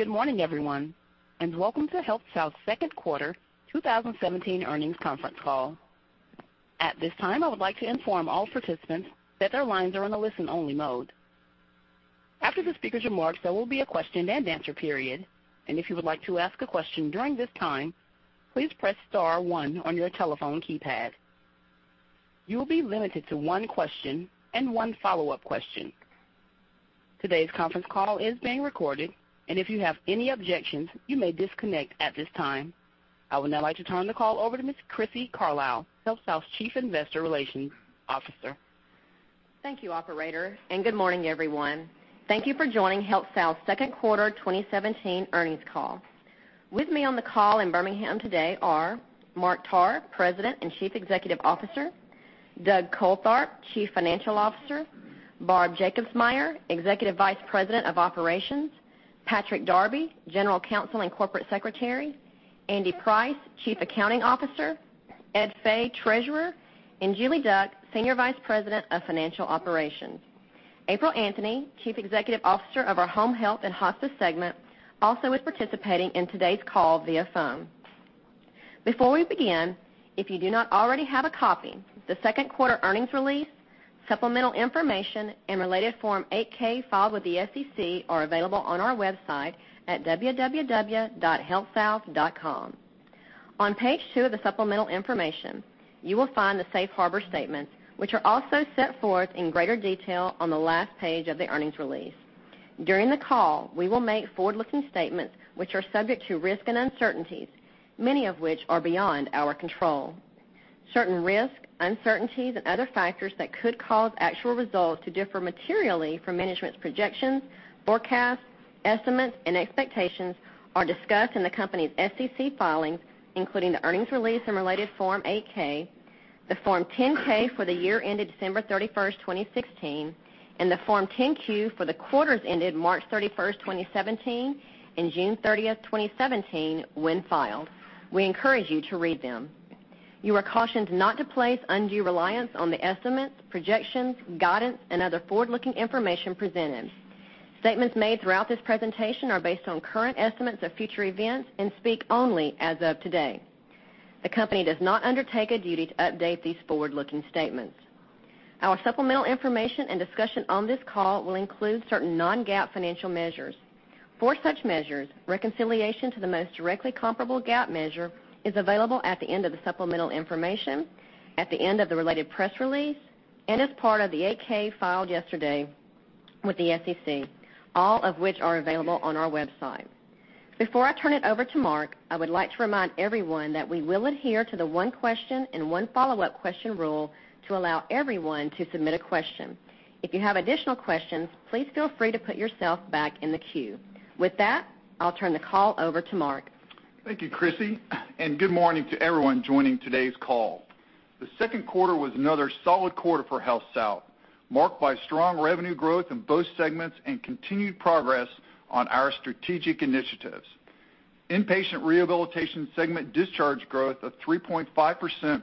Good morning, everyone, and welcome to HealthSouth's second quarter 2017 earnings conference call. At this time, I would like to inform all participants that their lines are in a listen-only mode. After the speaker's remarks, there will be a question and answer period, and if you would like to ask a question during this time, please press star one on your telephone keypad. You will be limited to one question and one follow-up question. Today's conference call is being recorded, and if you have any objections, you may disconnect at this time. I would now like to turn the call over to Ms. Crissy Carlisle, HealthSouth's Chief Investor Relations Officer. Thank you, operator, and good morning, everyone. Thank you for joining HealthSouth's second quarter 2017 earnings call. With me on the call in Birmingham today are Mark Tarr, President and Chief Executive Officer, Douglas Coltharp, Chief Financial Officer, Barb Jacobsmeyer, Executive Vice President of Operations, Patrick Darby, General Counsel and Corporate Secretary, Andy Price, Chief Accounting Officer, Ed Fay, Treasurer, and Julie Duck, Senior Vice President of Financial Operations. April Anthony, Chief Executive Officer of our Home Health and Hospice segment, also is participating in today's call via phone. Before we begin, if you do not already have a copy, the second quarter earnings release, supplemental information, and related Form 8-K filed with the SEC are available on our website at www.healthsouth.com. On page two of the supplemental information, you will find the safe harbor statements, which are also set forth in greater detail on the last page of the earnings release. During the call, we will make forward-looking statements which are subject to risk and uncertainties, many of which are beyond our control. Certain risks, uncertainties, and other factors that could cause actual results to differ materially from management's projections, forecasts, estimates, and expectations are discussed in the company's SEC filings, including the earnings release and related Form 8-K, the Form 10-K for the year ended December 31st, 2016, and the Form 10-Q for the quarters ended March 31st, 2017, and June 30th, 2017, when filed. We encourage you to read them. You are cautioned not to place undue reliance on the estimates, projections, guidance, and other forward-looking information presented. Statements made throughout this presentation are based on current estimates of future events and speak only as of today. The company does not undertake a duty to update these forward-looking statements. Our supplemental information and discussion on this call will include certain non-GAAP financial measures. For such measures, reconciliation to the most directly comparable GAAP measure is available at the end of the supplemental information, at the end of the related press release, and as part of the Form 8-K filed yesterday with the SEC, all of which are available on our website. Before I turn it over to Mark, I would like to remind everyone that we will adhere to the one question and one follow-up question rule to allow everyone to submit a question. If you have additional questions, please feel free to put yourself back in the queue. With that, I'll turn the call over to Mark. Thank you, Crissy, and good morning to everyone joining today's call. The second quarter was another solid quarter for HealthSouth, marked by strong revenue growth in both segments and continued progress on our strategic initiatives. Inpatient rehabilitation segment discharge growth of 3.5%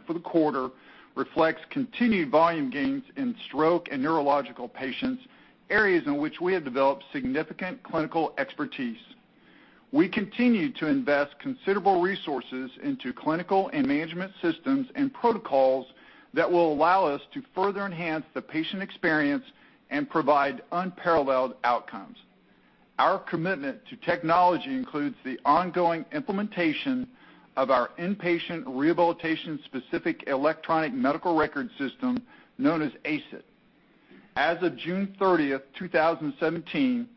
for the quarter reflects continued volume gains in stroke and neurological patients, areas in which we have developed significant clinical expertise. We continue to invest considerable resources into clinical and management systems and protocols that will allow us to further enhance the patient experience and provide unparalleled outcomes. Our commitment to technology includes the ongoing implementation of our inpatient rehabilitation-specific electronic medical record system known as ACE IT. As of June 30, 2017,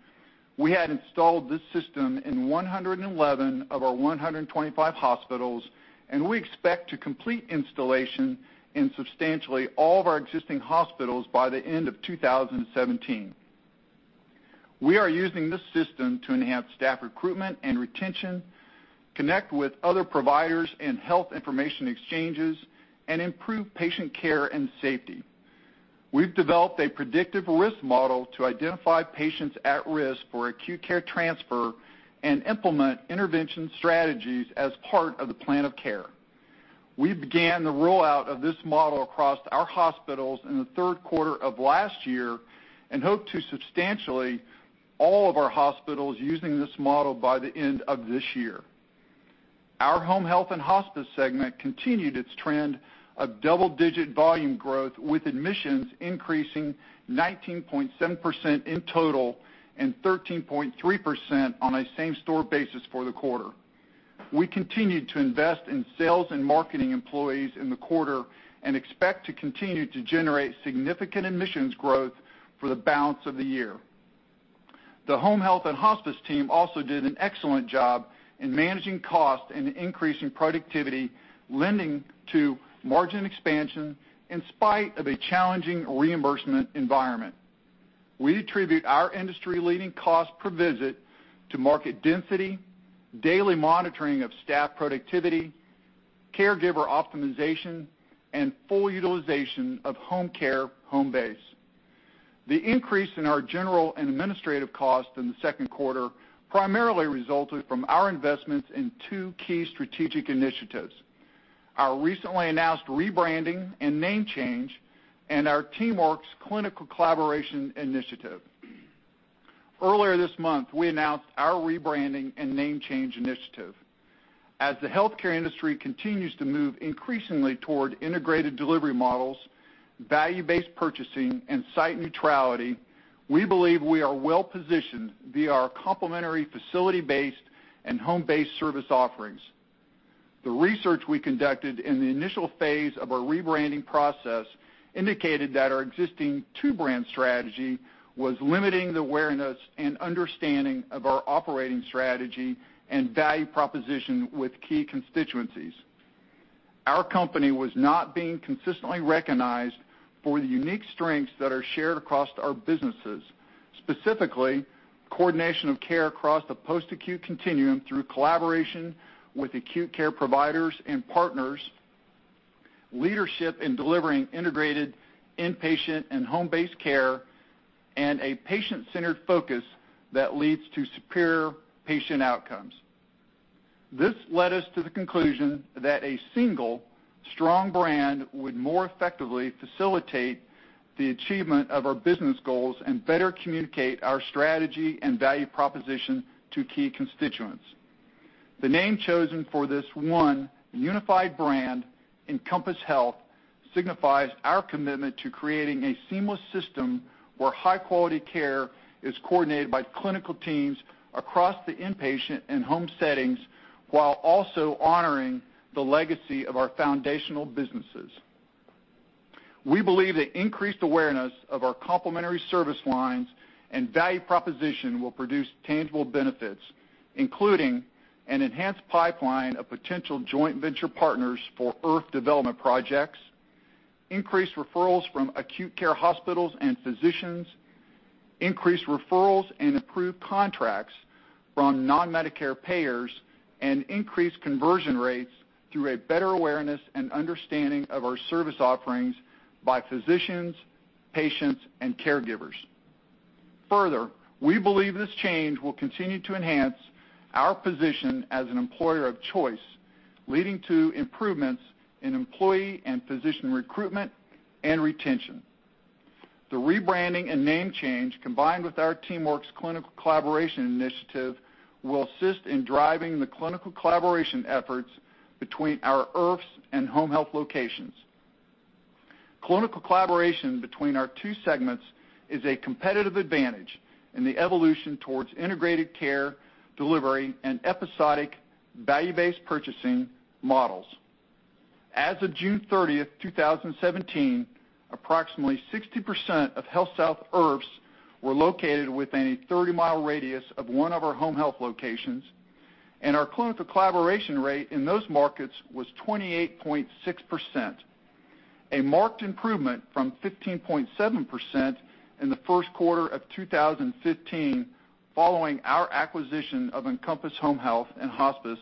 we had installed this system in 111 of our 125 hospitals, and we expect to complete installation in substantially all of our existing hospitals by the end of 2017. We are using this system to enhance staff recruitment and retention, connect with other providers in health information exchanges, and improve patient care and safety. We've developed a predictive risk model to identify patients at risk for acute care transfer and implement intervention strategies as part of the plan of care. We began the rollout of this model across our hospitals in the third quarter of last year and hope to substantially all of our hospitals using this model by the end of this year. Our home health and hospice segment continued its trend of double-digit volume growth, with admissions increasing 19.7% in total and 13.3% on a same-store basis for the quarter. We continued to invest in sales and marketing employees in the quarter and expect to continue to generate significant admissions growth for the balance of the year. The home health and hospice team also did an excellent job in managing costs and increasing productivity, lending to margin expansion in spite of a challenging reimbursement environment. We attribute our industry-leading cost per visit to market density, daily monitoring of staff productivity, caregiver optimization, and full utilization of Homecare HomeBase. The increase in our general and administrative costs in the second quarter primarily resulted from our investments in two key strategic initiatives. Our recently announced rebranding and name change, and our TeamWorks clinical collaboration initiative. Earlier this month, we announced our rebranding and name change initiative. As the healthcare industry continues to move increasingly toward integrated delivery models, value-based purchasing, and site neutrality, we believe we are well-positioned via our complementary facility-based and home-based service offerings. The research we conducted in the initial phase of our rebranding process indicated that our existing two-brand strategy was limiting the awareness and understanding of our operating strategy and value proposition with key constituencies. Our company was not being consistently recognized for the unique strengths that are shared across our businesses, specifically coordination of care across the post-acute continuum through collaboration with acute care providers and partners, leadership in delivering integrated inpatient and home-based care, and a patient-centered focus that leads to superior patient outcomes. This led us to the conclusion that a single strong brand would more effectively facilitate the achievement of our business goals and better communicate our strategy and value proposition to key constituents. The name chosen for this one unified brand, Encompass Health, signifies our commitment to creating a seamless system where high-quality care is coordinated by clinical teams across the inpatient and home settings, while also honoring the legacy of our foundational businesses. We believe that increased awareness of our complementary service lines and value proposition will produce tangible benefits, including an enhanced pipeline of potential joint venture partners for IRF development projects, increased referrals from acute care hospitals and physicians, increased referrals and approved contracts from non-Medicare payers, and increased conversion rates through a better awareness and understanding of our service offerings by physicians, patients, and caregivers. Further, we believe this change will continue to enhance our position as an employer of choice, leading to improvements in employee and physician recruitment and retention. The rebranding and name change, combined with our TeamWorks clinical collaboration initiative, will assist in driving the clinical collaboration efforts between our IRFs and Home Health locations. Clinical collaboration between our two segments is a competitive advantage in the evolution towards integrated care delivery and episodic value-based purchasing models. As of June 30th, 2017, approximately 60% of HealthSouth IRFs were located within a 30-mile radius of one of our Home Health locations, and our clinical collaboration rate in those markets was 28.6%, a marked improvement from 15.7% in the first quarter of 2015, following our acquisition of Encompass Home Health and Hospice,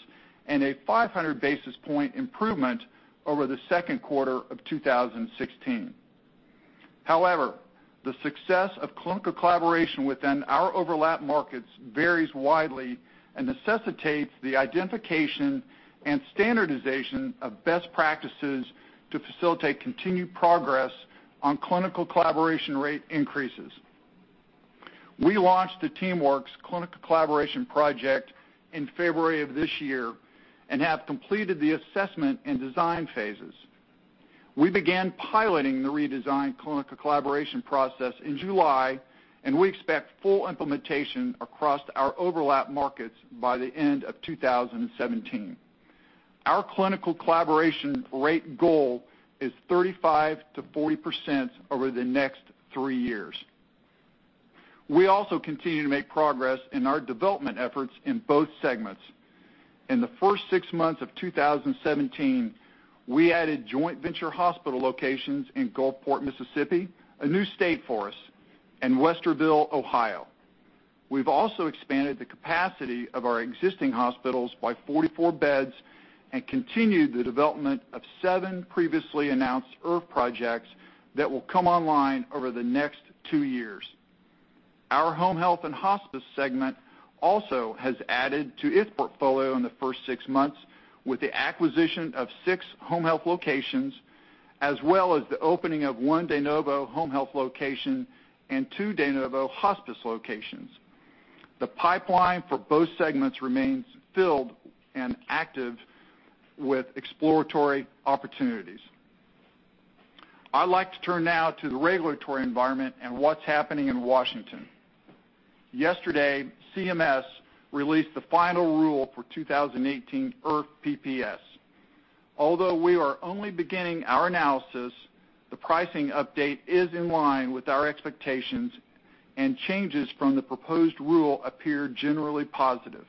and a 500-basis point improvement over the second quarter of 2016. However, the success of clinical collaboration within our overlap markets varies widely and necessitates the identification and standardization of best practices to facilitate continued progress on clinical collaboration rate increases. We launched the TeamWorks clinical collaboration project in February of this year and have completed the assessment and design phases. We began piloting the redesigned clinical collaboration process in July, and we expect full implementation across our overlap markets by the end of 2017. Our clinical collaboration rate goal is 35%-40% over the next three years. We also continue to make progress in our development efforts in both segments. In the first six months of 2017, we added joint venture hospital locations in Gulfport, Mississippi, a new state for us, and Westerville, Ohio. We've also expanded the capacity of our existing hospitals by 44 beds and continued the development of seven previously announced IRF projects that will come online over the next two years. Our Home Health and Hospice segment also has added to its portfolio in the first six months with the acquisition of six Home Health locations, as well as the opening of one de novo Home Health location and two de novo hospice locations. The pipeline for both segments remains filled and active with exploratory opportunities. I'd like to turn now to the regulatory environment and what's happening in Washington. Yesterday, CMS released the final rule for 2018 IRF PPS. Although we are only beginning our analysis, the pricing update is in line with our expectations, and changes from the proposed rule appear generally positive.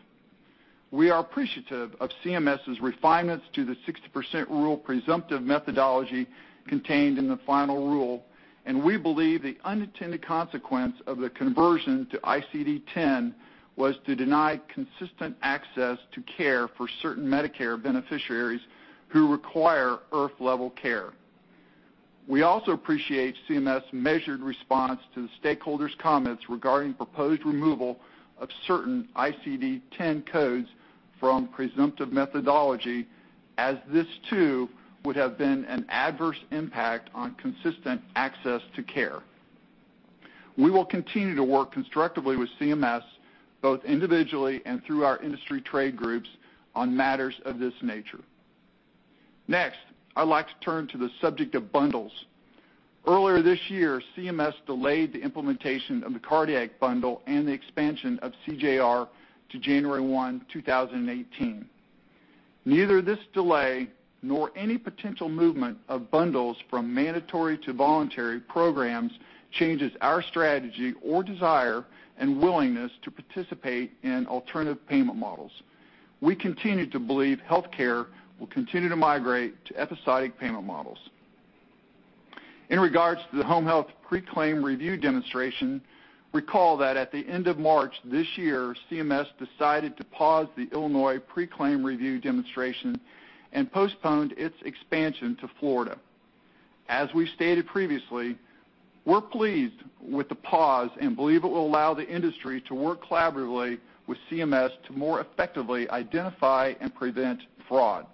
We are appreciative of CMS's refinements to the 60% rule presumptive methodology contained in the final rule, and we believe the unintended consequence of the conversion to ICD-10 was to deny consistent access to care for certain Medicare beneficiaries who require IRF-level care. We also appreciate CMS measured response to the stakeholders' comments regarding proposed removal of certain ICD-10 codes from presumptive methodology, as this too would have been an adverse impact on consistent access to care. We will continue to work constructively with CMS, both individually and through our industry trade groups on matters of this nature. Next, I'd like to turn to the subject of bundles. Earlier this year, CMS delayed the implementation of the cardiac bundle and the expansion of CJR to January 1, 2018. Neither this delay nor any potential movement of bundles from mandatory to voluntary programs changes our strategy or desire and willingness to participate in alternative payment models. We continue to believe healthcare will continue to migrate to episodic payment models. In regards to the Home Health Pre-Claim Review Demonstration, recall that at the end of March this year, CMS decided to pause the Illinois Pre-Claim Review Demonstration and postponed its expansion to Florida. As we've stated previously, we're pleased with the pause and believe it will allow the industry to work collaboratively with CMS to more effectively identify and prevent fraud.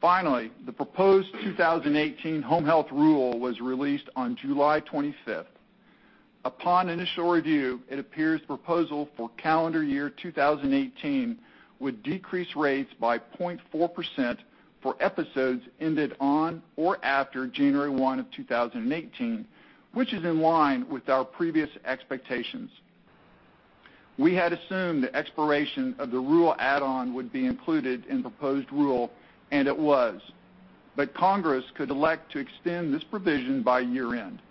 Finally, the proposed 2018 home health rule was released on July 25th. Upon initial review, it appears proposal for calendar year 2018 would decrease rates by 0.4% for episodes ended on or after January 1 of 2018, which is in line with our previous expectations. We had assumed the expiration of the rural add-on would be included in proposed rule, and it was. Congress could elect to extend this provision by year-end.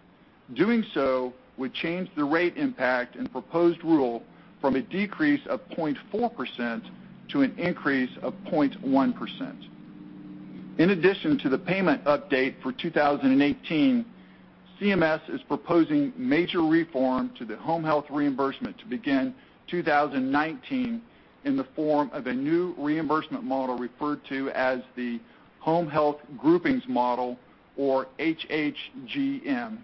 Doing so would change the rate impact in proposed rule from a decrease of 0.4% to an increase of 0.1%. In addition to the payment update for 2018, CMS is proposing major reform to the home health reimbursement to begin 2019 in the form of a new reimbursement model referred to as the Home Health Groupings Model or HHGM.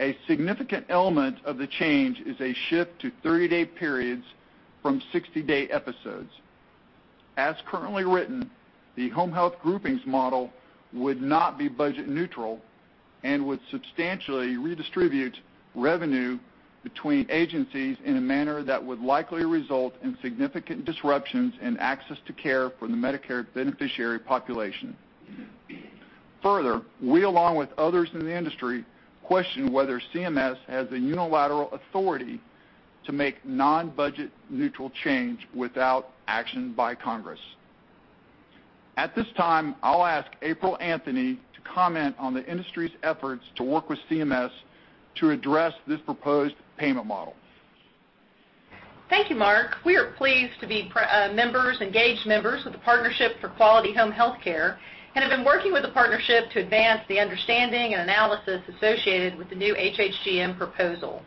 A significant element of the change is a shift to 30-day periods from 60-day episodes. As currently written, the Home Health Groupings Model would not be budget neutral and would substantially redistribute revenue between agencies in a manner that would likely result in significant disruptions in access to care for the Medicare beneficiary population. We along with others in the industry, question whether CMS has the unilateral authority to make non-budget neutral change without action by Congress. At this time, I'll ask April Anthony to comment on the industry's efforts to work with CMS to address this proposed payment model. Thank you, Mark. We are pleased to be engaged members with the Partnership for Quality Home Healthcare and have been working with the partnership to advance the understanding and analysis associated with the new HHGM proposal.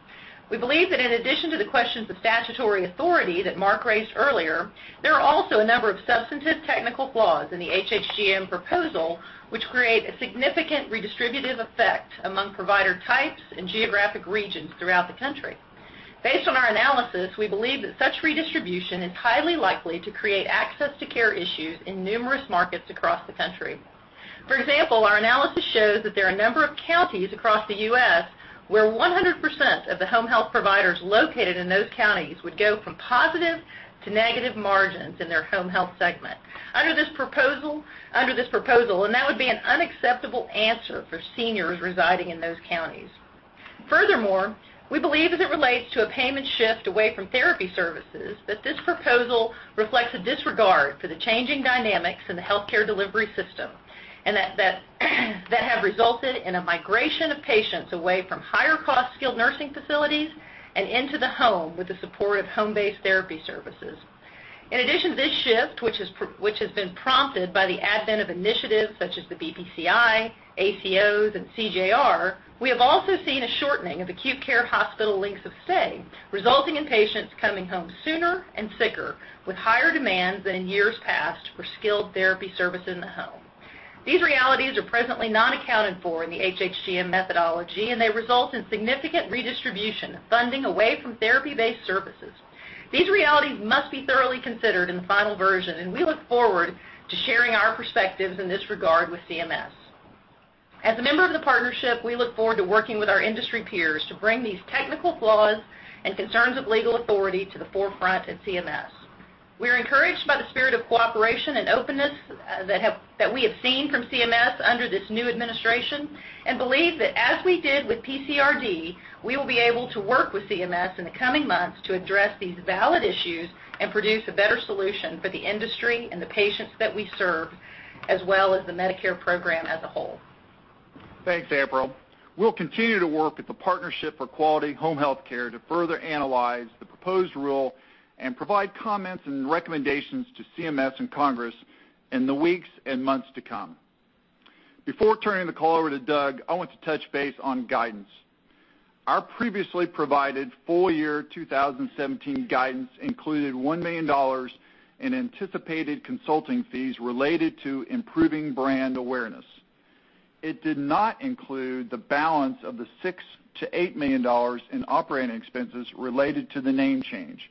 We believe that in addition to the questions of statutory authority that Mark raised earlier, there are also a number of substantive technical flaws in the HHGM proposal, which create a significant redistributive effect among provider types and geographic regions throughout the country. Based on our analysis, we believe that such redistribution is highly likely to create access to care issues in numerous markets across the country. For example, our analysis shows that there are a number of counties across the U.S. where 100% of the home health providers located in those counties would go from positive to negative margins in their home health segment under this proposal, and that would be an unacceptable answer for seniors residing in those counties. Furthermore, we believe as it relates to a payment shift away from therapy services, that this proposal reflects a disregard for the changing dynamics in the healthcare delivery system, that have resulted in a migration of patients away from higher-cost skilled nursing facilities and into the home with the support of home-based therapy services. In addition to this shift, which has been prompted by the advent of initiatives such as the BPCI, ACOs, and CJR, we have also seen a shortening of acute care hospital lengths of stay, resulting in patients coming home sooner and sicker, with higher demands than in years past for skilled therapy service in the home. These realities are presently not accounted for in the HHGM methodology. They result in significant redistribution of funding away from therapy-based services. These realities must be thoroughly considered in the final version. We look forward to sharing our perspectives in this regard with CMS. As a member of the Partnership, we look forward to working with our industry peers to bring these technical flaws and concerns of legal authority to the forefront at CMS. We're encouraged by the spirit of cooperation and openness that we have seen from CMS under this new administration and believe that as we did with the PCRD, we will be able to work with CMS in the coming months to address these valid issues and produce a better solution for the industry and the patients that we serve, as well as the Medicare program as a whole. Thanks, April. We'll continue to work with the Partnership for Quality Home Healthcare to further analyze the proposed rule and provide comments and recommendations to CMS and Congress in the weeks and months to come. Before turning the call over to Doug, I want to touch base on guidance. Our previously provided full year 2017 guidance included $1 million in anticipated consulting fees related to improving brand awareness. It did not include the balance of the $6 million-$8 million in operating expenses related to the name change.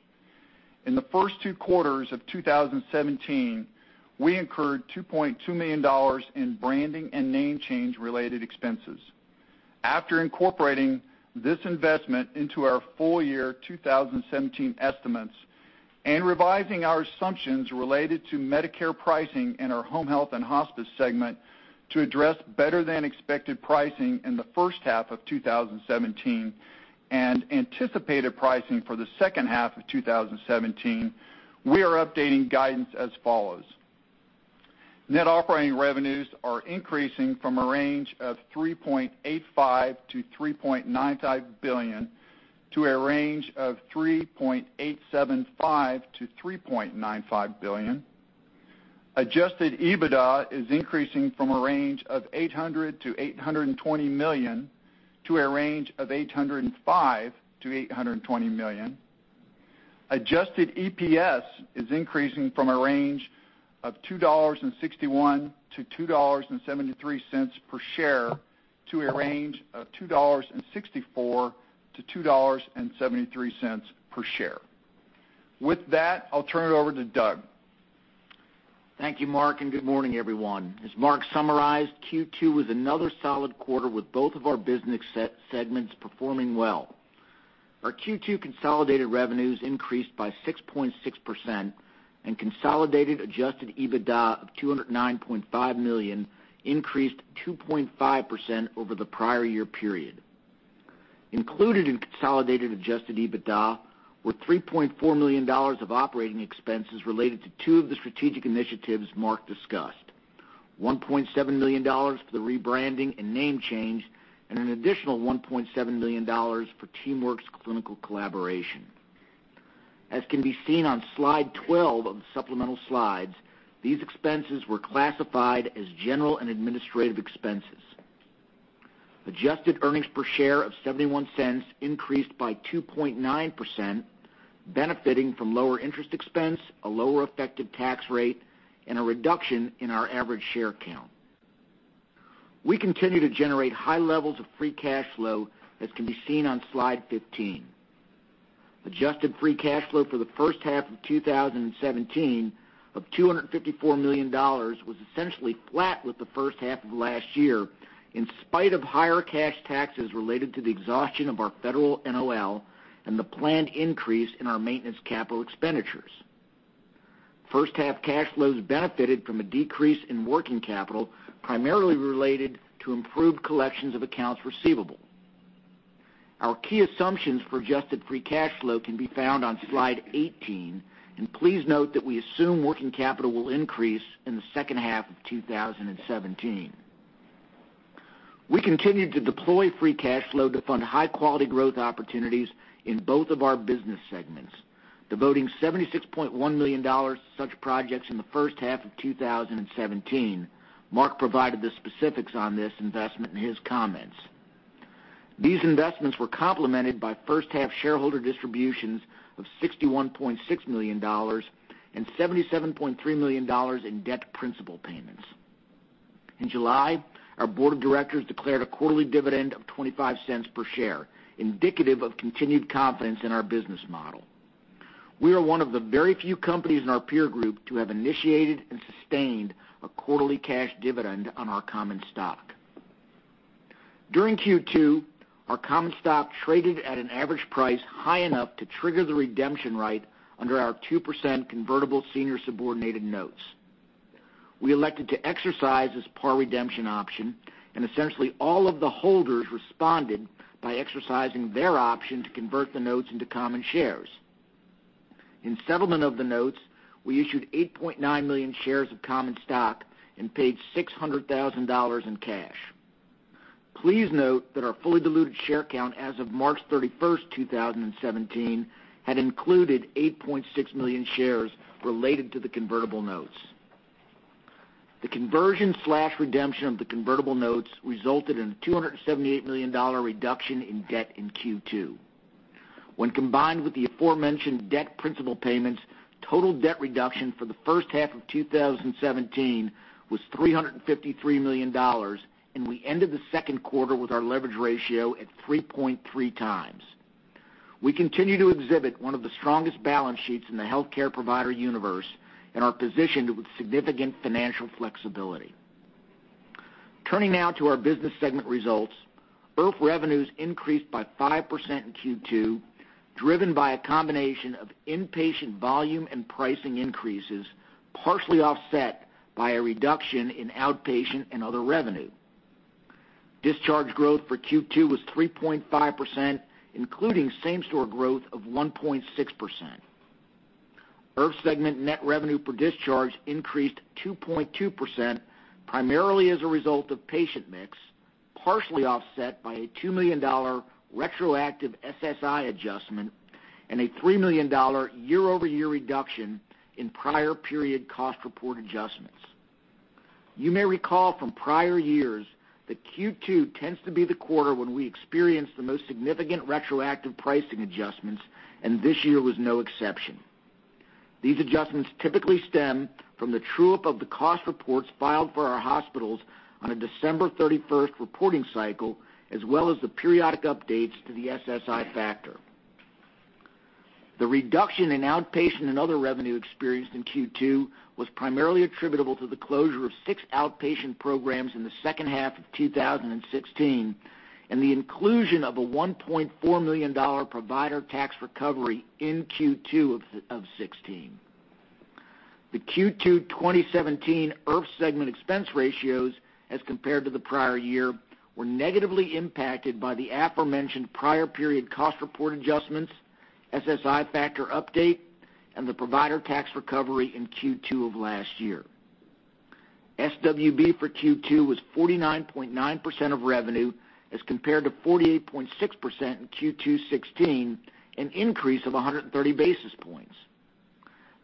In the first two quarters of 2017, we incurred $2.2 million in branding and name change related expenses. After incorporating this investment into our full year 2017 estimates and revising our assumptions related to Medicare pricing in our home health and hospice segment to address better than expected pricing in the first half of 2017, and anticipated pricing for the second half of 2017, we are updating guidance as follows. Net operating revenues are increasing from a range of $3.85 billion-$3.95 billion to a range of $3.875 billion-$3.95 billion. Adjusted EBITDA is increasing from a range of $800 million-$820 million to a range of $805 million-$820 million. Adjusted EPS is increasing from a range of $2.61-$2.73 per share to a range of $2.64-$2.73 per share. With that, I'll turn it over to Doug. Thank you, Mark, and good morning, everyone. As Mark summarized, Q2 was another solid quarter with both of our business segments performing well. Our Q2 consolidated revenues increased by 6.6%, and consolidated Adjusted EBITDA of $209.5 million increased 2.5% over the prior year period. Included in consolidated Adjusted EBITDA were $3.4 million of operating expenses related to two of the strategic initiatives Mark discussed, $1.7 million for the rebranding and name change, and an additional $1.7 million for TeamWorks Clinical Collaboration. As can be seen on slide 12 of the supplemental slides, these expenses were classified as general and administrative expenses. Adjusted earnings per share of $0.71 increased by 2.9%, benefiting from lower interest expense, a lower effective tax rate, and a reduction in our average share count. We continue to generate high levels of free cash flow, as can be seen on slide 15. Adjusted free cash flow for the first half of 2017 of $254 million was essentially flat with the first half of last year in spite of higher cash taxes related to the exhaustion of our federal NOL and the planned increase in our maintenance capital expenditures. First half cash flows benefited from a decrease in working capital, primarily related to improved collections of accounts receivable. Our key assumptions for adjusted free cash flow can be found on slide 18, and please note that we assume working capital will increase in the second half of 2017. We continued to deploy free cash flow to fund high-quality growth opportunities in both of our business segments, devoting $76.1 million to such projects in the first half of 2017. Mark provided the specifics on this investment in his comments. These investments were complemented by first half shareholder distributions of $61.6 million and $77.3 million in debt principal payments. In July, our board of directors declared a quarterly dividend of $0.25 per share, indicative of continued confidence in our business model. We are one of the very few companies in our peer group to have initiated and sustained a quarterly cash dividend on our common stock. During Q2, our common stock traded at an average price high enough to trigger the redemption right under our 2% convertible senior subordinated notes. We elected to exercise this par redemption option, and essentially all of the holders responded by exercising their option to convert the notes into common shares. In settlement of the notes, we issued 8.9 million shares of common stock and paid $600,000 in cash. Please note that our fully diluted share count as of March 31st, 2017, had included 8.6 million shares related to the convertible notes. The conversion/redemption of the convertible notes resulted in a $278 million reduction in debt in Q2. When combined with the aforementioned debt principal payments, total debt reduction for the first half of 2017 was $353 million, and we ended the second quarter with our leverage ratio at 3.3 times. We continue to exhibit one of the strongest balance sheets in the healthcare provider universe and are positioned with significant financial flexibility. Turning now to our business segment results. IRF revenues increased by 5% in Q2, driven by a combination of inpatient volume and pricing increases, partially offset by a reduction in outpatient and other revenue. Discharge growth for Q2 was 3.5%, including same-store growth of 1.6%. IRF segment net revenue per discharge increased 2.2%, primarily as a result of patient mix, partially offset by a $2 million retroactive SSI adjustment and a $3 million year-over-year reduction in prior period cost report adjustments. You may recall from prior years that Q2 tends to be the quarter when we experience the most significant retroactive pricing adjustments, and this year was no exception. These adjustments typically stem from the true-up of the cost reports filed for our hospitals on a December 31st reporting cycle, as well as the periodic updates to the SSI factor. The reduction in outpatient and other revenue experienced in Q2 was primarily attributable to the closure of six outpatient programs in the second half of 2016 and the inclusion of a $1.4 million provider tax recovery in Q2 of 2016. The Q2 2017 IRF segment expense ratios, as compared to the prior year, were negatively impacted by the aforementioned prior period cost report adjustments, SSI factor update, and the provider tax recovery in Q2 of last year. SWB for Q2 was 49.9% of revenue as compared to 48.6% in Q2 2016, an increase of 130 basis points.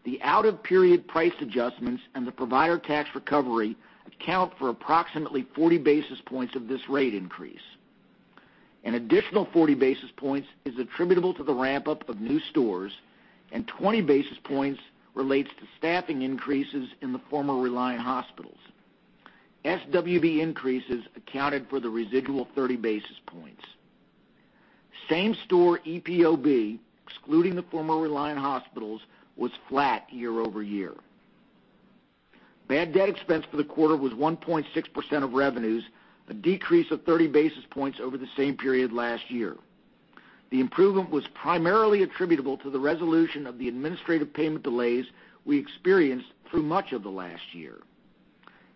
The out-of-period price adjustments and the provider tax recovery account for approximately 40 basis points of this rate increase. An additional 40 basis points is attributable to the ramp-up of new stores, and 20 basis points relates to staffing increases in the former Reliant hospitals. SWB increases accounted for the residual 30 basis points. Same-store EPOB, excluding the former Reliant hospitals, was flat year-over-year. Bad debt expense for the quarter was 1.6% of revenues, a decrease of 30 basis points over the same period last year. The improvement was primarily attributable to the resolution of the administrative payment delays we experienced through much of the last year.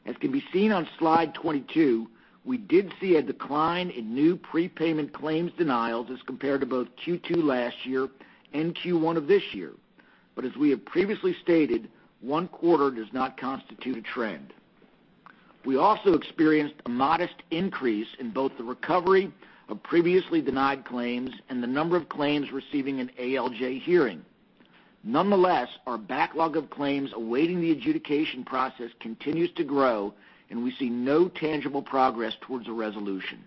As can be seen on slide 22, we did see a decline in new prepayment claims denials as compared to both Q2 last year and Q1 of this year. As we have previously stated, one quarter does not constitute a trend. We also experienced a modest increase in both the recovery of previously denied claims and the number of claims receiving an ALJ hearing. Nonetheless, our backlog of claims awaiting the adjudication process continues to grow, and we see no tangible progress towards a resolution.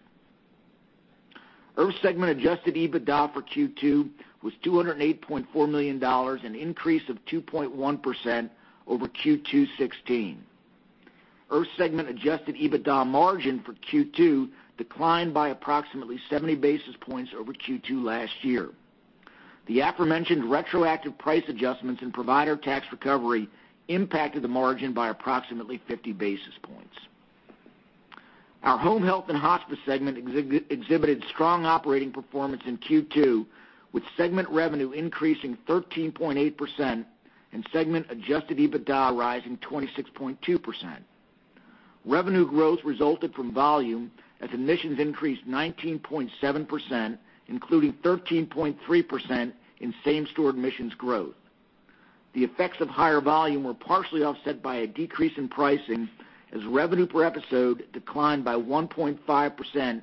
IRF segment adjusted EBITDA for Q2 was $208.4 million, an increase of 2.1% over Q2 2016. IRF segment adjusted EBITDA margin for Q2 declined by approximately 70 basis points over Q2 last year. The aforementioned retroactive price adjustments and provider tax recovery impacted the margin by approximately 50 basis points. Our home health and hospice segment exhibited strong operating performance in Q2, with segment revenue increasing 13.8% and segment adjusted EBITDA rising 26.2%. Revenue growth resulted from volume, as admissions increased 19.7%, including 13.3% in same-store admissions growth. The effects of higher volume were partially offset by a decrease in pricing as revenue per episode declined by 1.5%,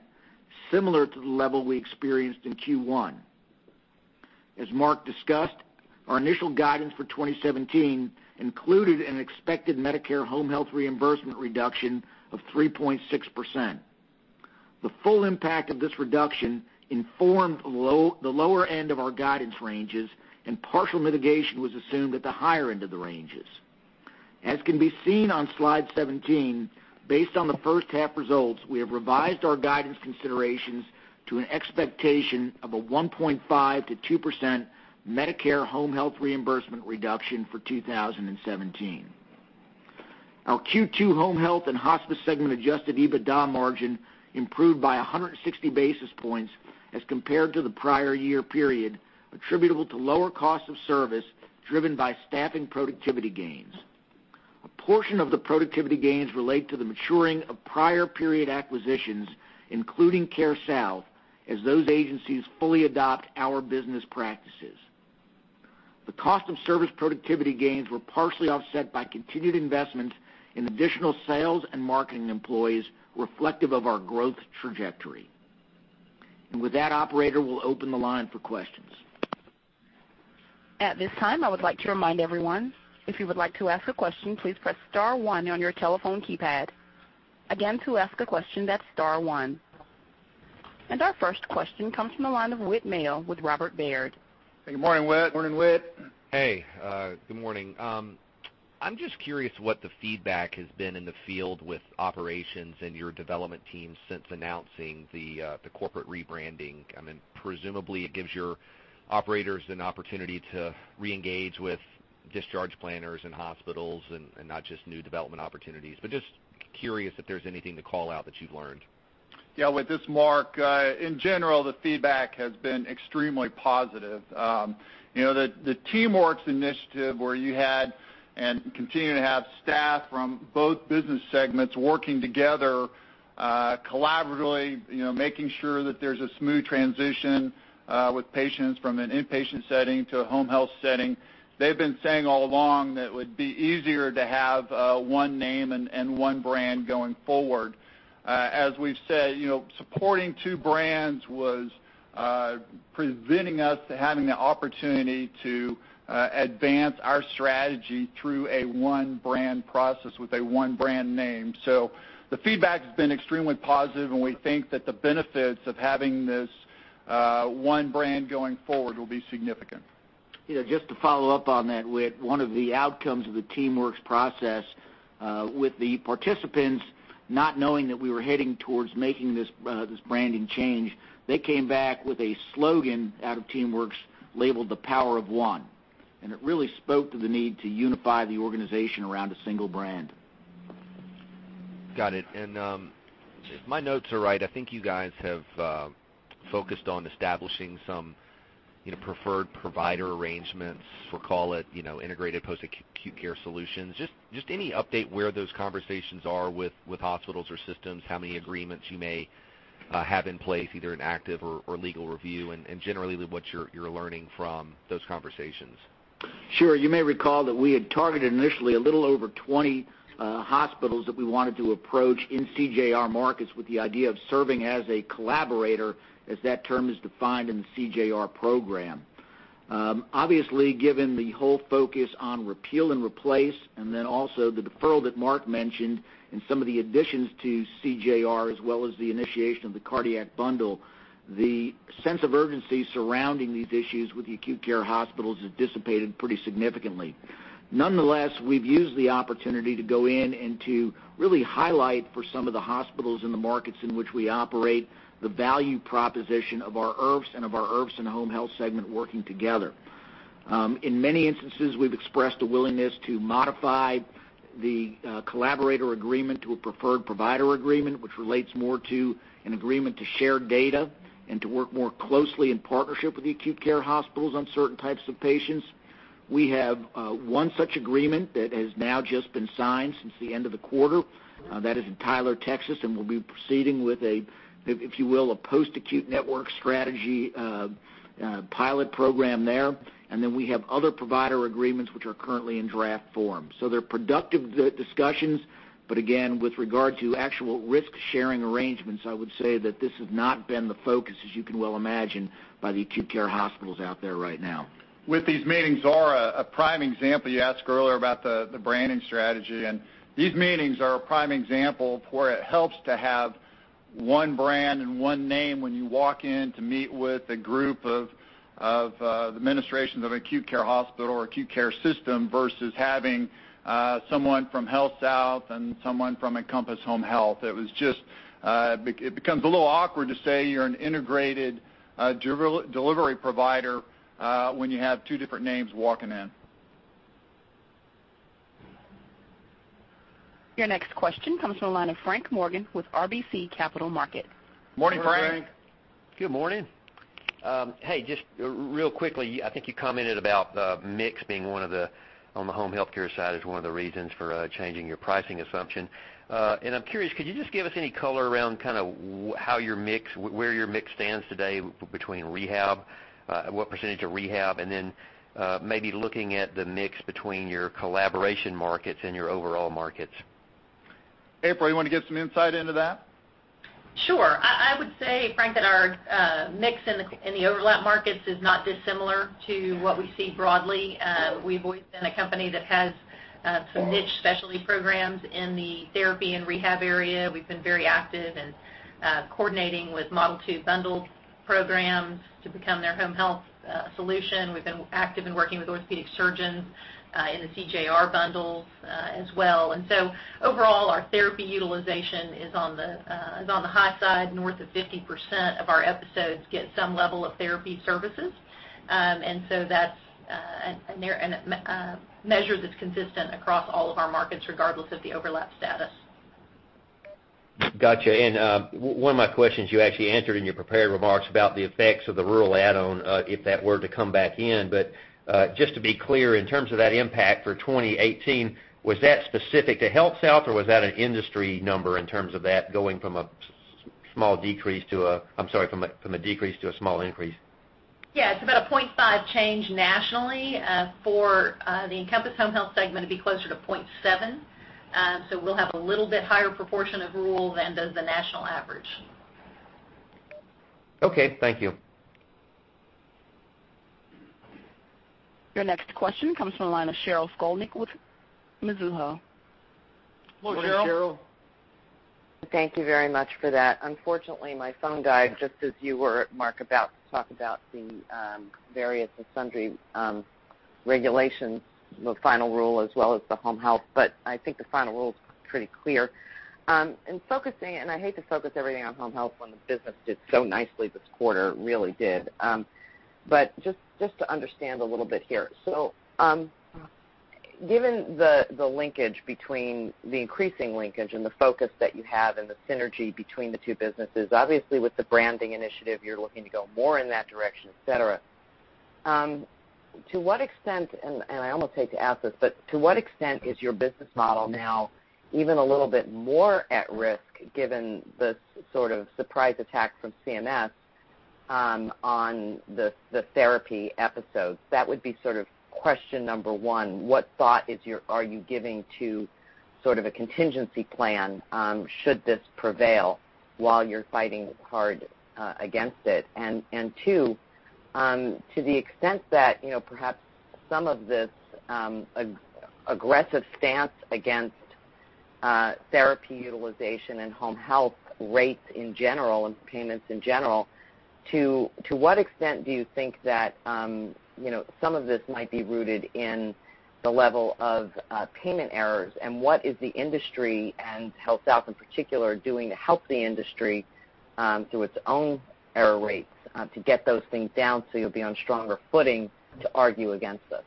similar to the level we experienced in Q1. As Mark discussed, our initial guidance for 2017 included an expected Medicare home health reimbursement reduction of 3.6%. The full impact of this reduction informed the lower end of our guidance ranges, and partial mitigation was assumed at the higher end of the ranges. As can be seen on slide 17, based on the first half results, we have revised our guidance considerations to an expectation of a 1.5%-2% Medicare home health reimbursement reduction for 2017. Our Q2 home health and hospice segment adjusted EBITDA margin improved by 160 basis points as compared to the prior year period, attributable to lower cost of service driven by staffing productivity gains. A portion of the productivity gains relate to the maturing of prior period acquisitions, including CareSouth, as those agencies fully adopt our business practices. The cost of service productivity gains were partially offset by continued investments in additional sales and marketing employees reflective of our growth trajectory. With that operator, we will open the line for questions. At this time, I would like to remind everyone, if you would like to ask a question, please press star one on your telephone keypad. Again, to ask a question, that is star one. Our first question comes from the line of Whit Mayo with Robert W. Baird. Good morning, Whit. Morning, Whit. Hey, good morning. I'm just curious what the feedback has been in the field with operations and your development team since announcing the corporate rebranding. Presumably, it gives your operators an opportunity to reengage with discharge planners and hospitals and not just new development opportunities. Just curious if there's anything to call out that you've learned. Yeah. With this, Mark, in general, the feedback has been extremely positive. The TeamWorks initiative, where you had and continue to have staff from both business segments working together collaboratively, making sure that there's a smooth transition with patients from an inpatient setting to a home health setting. They've been saying all along that it would be easier to have one name and one brand going forward. As we've said, supporting two brands was preventing us to having the opportunity to advance our strategy through a one-brand process with a one brand name. The feedback's been extremely positive, and we think that the benefits of having this one brand going forward will be significant. Yeah, just to follow up on that, Whit. One of the outcomes of the TeamWorks process with the participants not knowing that we were heading towards making this branding change, they came back with a slogan out of TeamWorks labeled The Power of One. It really spoke to the need to unify the organization around a single brand. Got it. If my notes are right, I think you guys have focused on establishing some preferred provider arrangements for, call it, integrated post-acute care solutions. Just any update where those conversations are with hospitals or systems, how many agreements you may have in place, either in active or legal review, and generally, what you're learning from those conversations. Sure. You may recall that we had targeted initially a little over 20 hospitals that we wanted to approach in CJR markets with the idea of serving as a collaborator, as that term is defined in the CJR program. Obviously, given the whole focus on repeal and replace, also the deferral that Mark mentioned and some of the additions to CJR as well as the initiation of the cardiac bundle, the sense of urgency surrounding these issues with the acute care hospitals has dissipated pretty significantly. Nonetheless, we've used the opportunity to go in and to really highlight for some of the hospitals in the markets in which we operate the value proposition of our IRFs and of our IRFs and home health segment working together. In many instances, we've expressed a willingness to modify the collaborator agreement to a preferred provider agreement, which relates more to an agreement to share data and to work more closely in partnership with the acute care hospitals on certain types of patients. We have one such agreement that has now just been signed since the end of the quarter. That is in Tyler, Texas, and we'll be proceeding with a, if you will, a post-acute network strategy pilot program there. Then we have other provider agreements which are currently in draft form. They're productive discussions. Again, with regard to actual risk-sharing arrangements, I would say that this has not been the focus, as you can well imagine, by the acute care hospitals out there right now. With these meetings are a prime example. You asked earlier about the branding strategy, these meetings are a prime example of where it helps to have one brand and one name when you walk in to meet with a group of the administrations of acute care hospital or acute care system versus having someone from HealthSouth and someone from Encompass Home Health. It becomes a little awkward to say you're an integrated delivery provider when you have two different names walking in. Your next question comes from the line of Frank Morgan with RBC Capital Markets. Morning, Frank. Morning. Good morning. Hey, just real quickly, I think you commented about mix being one of the, on the home healthcare side, is one of the reasons for changing your pricing assumption. I'm curious, could you just give us any color around where your mix stands today between rehab, what percentage of rehab, and then maybe looking at the mix between your collaboration markets and your overall markets? April, you want to give some insight into that? Sure. I would say, Frank, that our mix in the overlap markets is not dissimilar to what we see broadly. We've always been a company that has some niche specialty programs in the therapy and rehab area. We've been very active in coordinating with Model 2 bundle programs to become their home health solution. We've been active in working with orthopedic surgeons in the CJR bundles as well. Overall, our therapy utilization is on the high side, north of 50% of our episodes get some level of therapy services. That's a measure that's consistent across all of our markets, regardless of the overlap status. Got you. One of my questions you actually answered in your prepared remarks about the effects of the rural add-on if that were to come back in. Just to be clear, in terms of that impact for 2018, was that specific to HealthSouth, or was that an industry number in terms of that going from a decrease to a small increase? Yeah, it's about a .5 change nationally. For the Encompass Home Health segment, it'd be closer to .7. We'll have a little bit higher proportion of rural than does the national average. Okay, thank you. Your next question comes from the line of Sheryl Skolnick with Mizuho. Morning, Sheryl. Morning, Sheryl. Thank you very much for that. Unfortunately, my phone died just as you were, Mark, about to talk about the various and sundry regulations, the final rule as well as the home health. I think the final rule is pretty clear. I hate to focus everything on home health when the business did so nicely this quarter, really did. Just to understand a little bit here. Given the increasing linkage and the focus that you have and the synergy between the two businesses, obviously with the branding initiative, you're looking to go more in that direction, et cetera. To what extent, and I almost hate to ask this, but to what extent is your business model now even a little bit more at risk given the sort of surprise attack from CMS on the therapy episodes? That would be question number one. What thought are you giving to a contingency plan should this prevail while you're fighting hard against it? Two, to the extent that perhaps some of this aggressive stance against therapy utilization and home health rates in general and payments in general, to what extent do you think that some of this might be rooted in the level of payment errors, and what is the industry, and HealthSouth in particular, doing to help the industry through its own error rates to get those things down so you'll be on stronger footing to argue against this?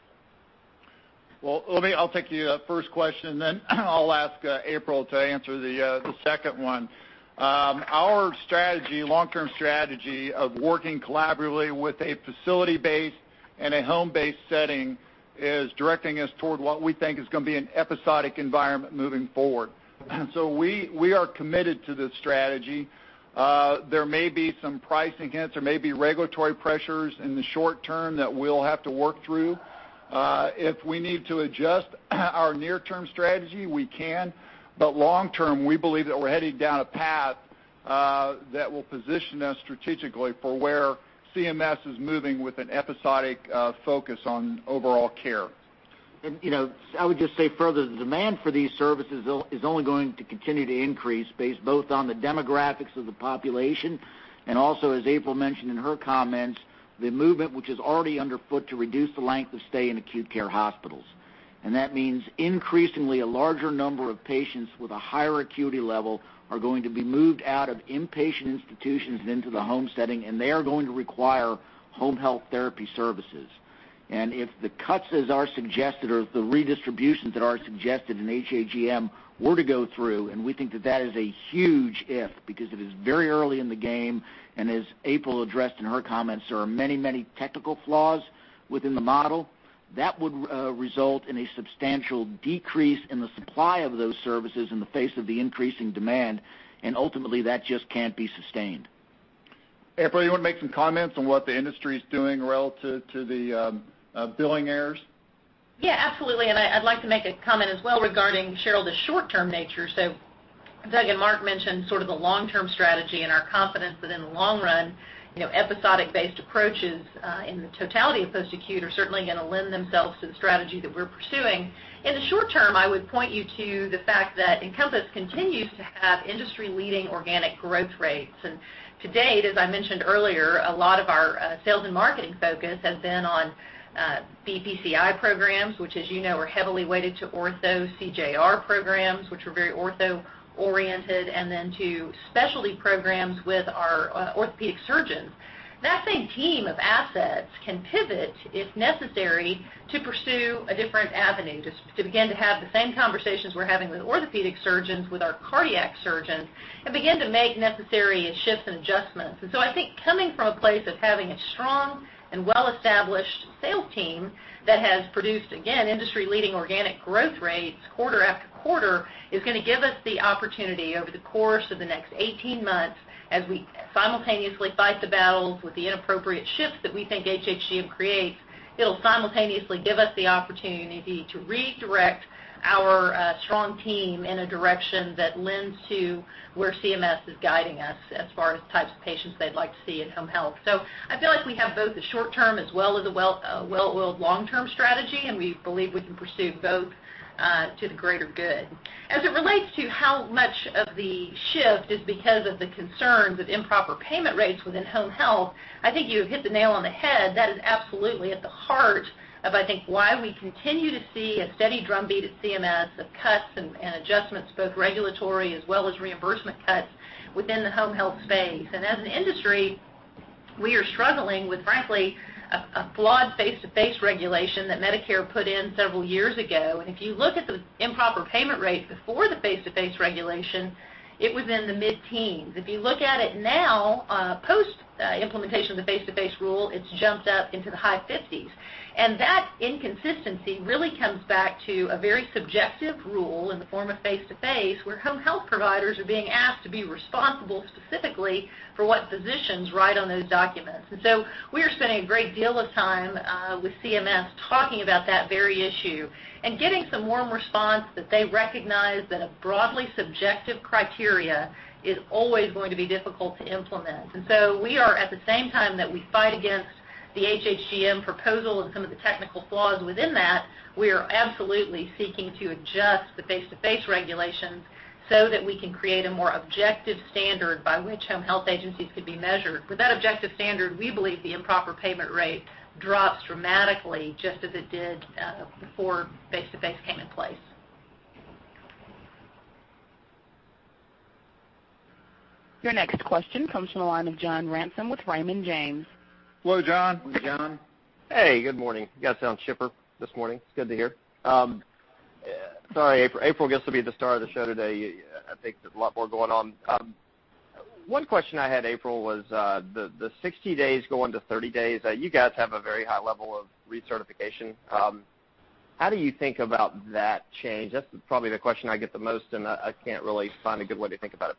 Well, let me take the first question, then I'll ask April to answer the second one. Our long-term strategy of working collaboratively with a facility-based and a home-based setting is directing us toward what we think is going to be an episodic environment moving forward. We are committed to this strategy. There may be some pricing hits. There may be regulatory pressures in the short term that we'll have to work through. If we need to adjust our near-term strategy, we can, but long term, we believe that we're heading down a path that will position us strategically for where CMS is moving with an episodic focus on overall care. I would just say further, the demand for these services is only going to continue to increase based both on the demographics of the population and also, as April mentioned in her comments, the movement, which is already underfoot to reduce the length of stay in acute care hospitals. That means increasingly a larger number of patients with a higher acuity level are going to be moved out of inpatient institutions and into the home setting, and they are going to require home health therapy services. If the cuts as are suggested or if the redistributions that are suggested in HHGM were to go through, we think that that is a huge if, because it is very early in the game, and as April addressed in her comments, there are many technical flaws within the model, that would result in a substantial decrease in the supply of those services in the face of the increasing demand, and ultimately, that just can't be sustained. April, you want to make some comments on what the industry is doing relative to the billing errors? Yeah, absolutely. I'd like to make a comment as well regarding, Sheryl, the short-term nature. Doug and Mark mentioned sort of the long-term strategy and our confidence that in the long run, episodic-based approaches in the totality of post-acute are certainly going to lend themselves to the strategy that we're pursuing. In the short term, I would point you to the fact that Encompass continues to have industry-leading organic growth rates. To date, as I mentioned earlier, a lot of our sales and marketing focus has been on BPCI programs, which as you know, are heavily weighted to ortho CJR programs, which are very ortho-oriented, and then to specialty programs with our orthopedic surgeons. That same team of assets can pivot, if necessary, to pursue a different avenue, to begin to have the same conversations we're having with orthopedic surgeons, with our cardiac surgeons, and begin to make necessary shifts and adjustments. I think coming from a place of having a strong and well-established sales team that has produced, again, industry-leading organic growth rates quarter after quarter, is going to give us the opportunity over the course of the next 18 months as we simultaneously fight the battles with the inappropriate shifts that we think HHGM creates. It'll simultaneously give us the opportunity to redirect our strong team in a direction that lends to where CMS is guiding us as far as types of patients they'd like to see in home health. I feel like we have both the short-term as well as the well-oiled long-term strategy, and we believe we can pursue both to the greater good. As it relates to how much of the shift is because of the concerns of improper payment rates within home health, I think you have hit the nail on the head. That is absolutely at the heart of, I think, why we continue to see a steady drumbeat at CMS of cuts and adjustments, both regulatory as well as reimbursement cuts within the home health space. As an industry, we are struggling with, frankly, a flawed Face-to-Face Regulation that Medicare put in several years ago. If you look at the improper payment rates before the Face-to-Face Regulation, it was in the mid-teens. If you look at it now, post-implementation of the Face-to-Face rule, it's jumped up into the high 50s. That inconsistency really comes back to a very subjective rule in the form of Face-to-Face, where home health providers are being asked to be responsible specifically for what physicians write on those documents. We are spending a great deal of time with CMS talking about that very issue and getting some warm response that they recognize that a broadly subjective criteria is always going to be difficult to implement. We are at the same time that we fight against the HHGM proposal and some of the technical flaws within that, we are absolutely seeking to adjust the Face-to-Face Regulations so that we can create a more objective standard by which home health agencies could be measured. With that objective standard, we believe the improper payment rate drops dramatically, just as it did before Face-to-Face came in place. Your next question comes from the line of John Ransom with Raymond James. Hello, John. John. Hey, good morning. You guys sound chipper this morning. It's good to hear. Sorry, April. April gets to be the star of the show today. I think there's a lot more going on. One question I had, April, was the 60 days going to 30 days. You guys have a very high level of recertification. How do you think about that change? That's probably the question I get the most, and I can't really find a good way to think about it.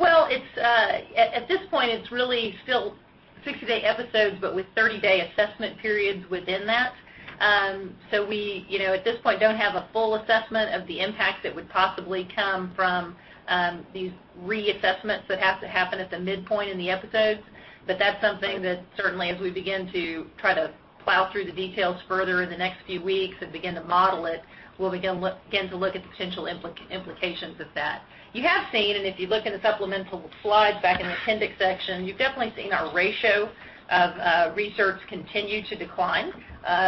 Well, at this point, it's really still 60-day episodes, but with 30-day assessment periods within that. We, at this point, don't have a full assessment of the impact that would possibly come from these reassessments that have to happen at the midpoint in the episodes. That's something that certainly as we begin to try to plow through the details further in the next few weeks and begin to model it, we'll begin to look at the potential implications of that. You have seen, and if you look in the supplemental slides back in the appendix section, you've definitely seen our ratio of recerts continue to decline,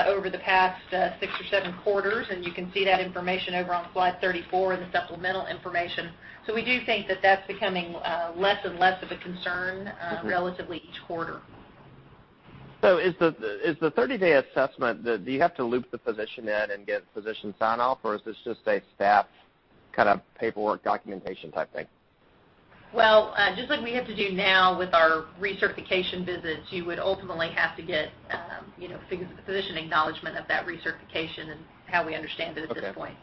over the past six or seven quarters, and you can see that information over on slide 34 in the supplemental information. We do think that that's becoming less and less of a concern- relatively each quarter. Is the 30-day assessment, do you have to loop the physician in and get physician sign-off, or is this just a staff kind of paperwork, documentation type thing? Well, just like we have to do now with our recertification visits, you would ultimately have to get physician acknowledgment of that recertification and how we understand it at this point.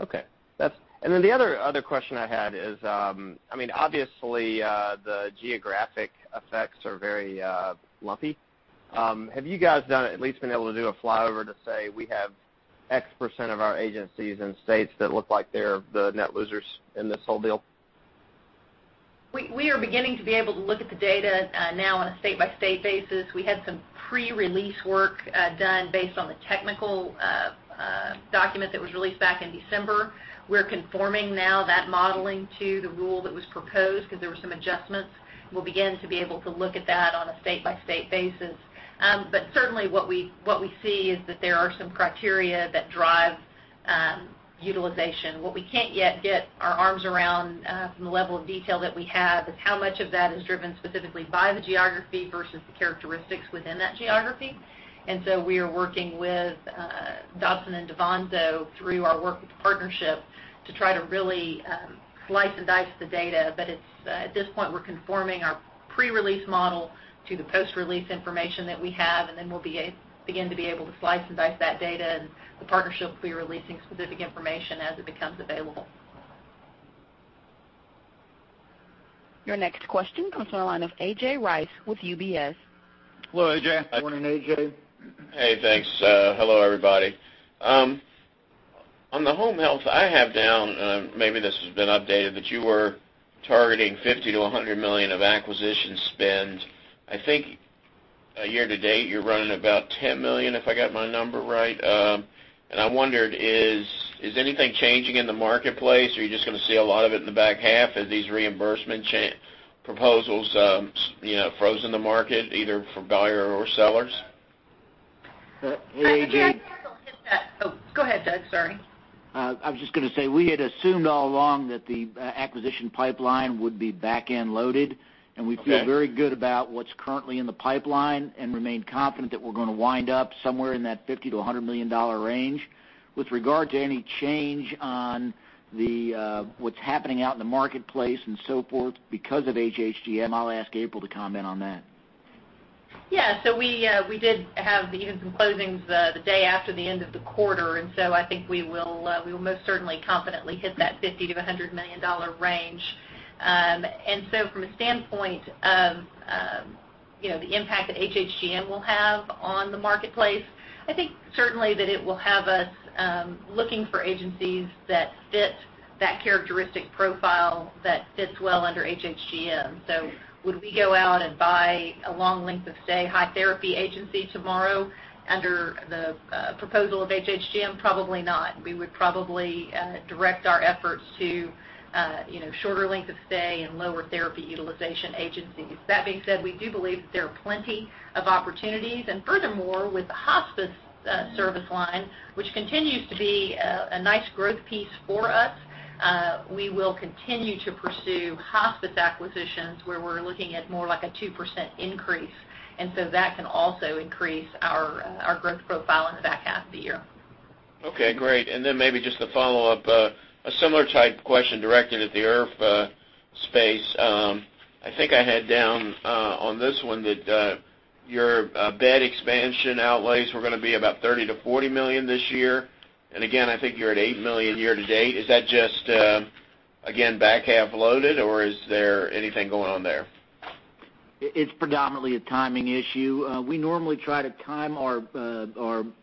Okay. The other question I had is, obviously, the geographic effects are very lumpy. Have you guys done, at least been able to do a flyover to say, "We have X% of our agencies in states that look like they're the net losers in this whole deal? We are beginning to be able to look at the data now on a state-by-state basis. We had some pre-release work done based on the technical document that was released back in December. We're conforming now that modeling to the rule that was proposed because there were some adjustments. We'll begin to be able to look at that on a state-by-state basis. Certainly, what we see is that there are some criteria that drive utilization. What we can't yet get our arms around, from the level of detail that we have, is how much of that is driven specifically by the geography versus the characteristics within that geography. We are working with Dobson & DaVanzo through our work with The Partnership to try to really slice and dice the data. At this point, we're conforming our pre-release model to the post-release information that we have, and then we'll begin to be able to slice and dice that data, and The Partnership will be releasing specific information as it becomes available. Your next question comes from the line of A.J. Rice with UBS. Hello, A.J. Morning, A.J. Hey, thanks. Hello, everybody. On the home health, I have down, maybe this has been updated, but you were targeting $50 million-$100 million of acquisition spend. I think year-to-date, you're running about $10 million, if I got my number right. I wondered, is anything changing in the marketplace, or are you just going to see a lot of it in the back half as these reimbursement proposals frozen the market, either for buyer or sellers? Hey, A.J. I think April hit that. Oh, go ahead, Doug, sorry. I was just going to say, we had assumed all along that the acquisition pipeline would be back-end loaded. Okay. We feel very good about what's currently in the pipeline and remain confident that we're going to wind up somewhere in that $50 million-$100 million range. With regard to any change on what's happening out in the marketplace and so forth because of HHGM, I'll ask April to comment on that. Yeah. We did have even some closings the day after the end of the quarter. I think we will most certainly confidently hit that $50 million-$100 million range. From a standpoint of the impact that HHGM will have on the marketplace, I think certainly that it will have us looking for agencies that fit that characteristic profile that fits well under HHGM. Would we go out and buy a long length of stay, high therapy agency tomorrow under the proposal of HHGM? Probably not. We would probably direct our efforts to shorter length of stay and lower therapy utilization agencies. That being said, we do believe that there are plenty of opportunities. Furthermore, with the hospice service line, which continues to be a nice growth piece for us, we will continue to pursue hospice acquisitions where we're looking at more like a 2% increase. That can also increase our growth profile in the back half of the year. Okay, great. Maybe just to follow up, a similar type question directed at the IRF space. I think I had down on this one that your bed expansion outlays were going to be about $30 million-$40 million this year. Again, I think you're at $8 million year to date. Is that just, again, back half loaded, or is there anything going on there? It's predominantly a timing issue. We normally try to time our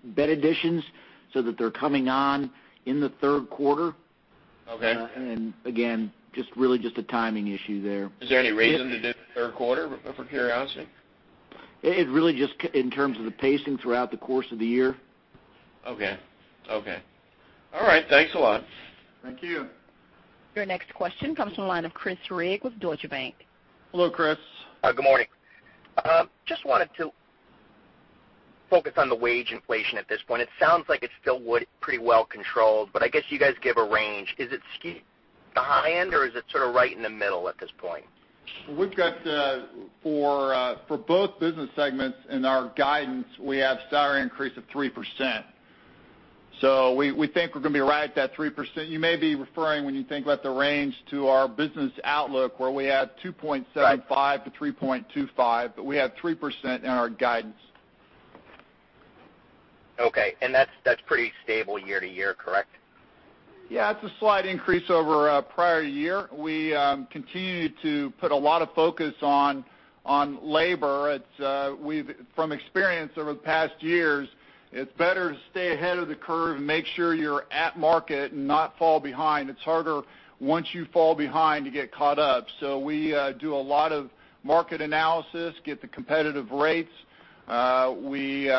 bed additions so that they're coming on in the third quarter. Okay. Again, just really just a timing issue there. Is there any reason to do the third quarter, for curiosity? It really just in terms of the pacing throughout the course of the year. Okay. All right. Thanks a lot. Thank you. Your next question comes from the line of Chris Rigg with Deutsche Bank. Hello, Chris. Good morning. Just wanted to focus on the wage inflation at this point. It sounds like it still would pretty well controlled, but I guess you guys give a range. Is it Behind, or is it sort of right in the middle at this point? For both business segments in our guidance, we have a salary increase of 3%. We think we're going to be right at that 3%. You may be referring, when you think about the range, to our business outlook, where we have 2.75%-3.25%, we have 3% in our guidance. Okay. That's pretty stable year-to-year, correct? Yeah, it's a slight increase over our prior year. We continue to put a lot of focus on labor. From experience over the past years, it's better to stay ahead of the curve and make sure you're at market and not fall behind. It's harder once you fall behind to get caught up. We do a lot of market analysis, get the competitive rates. We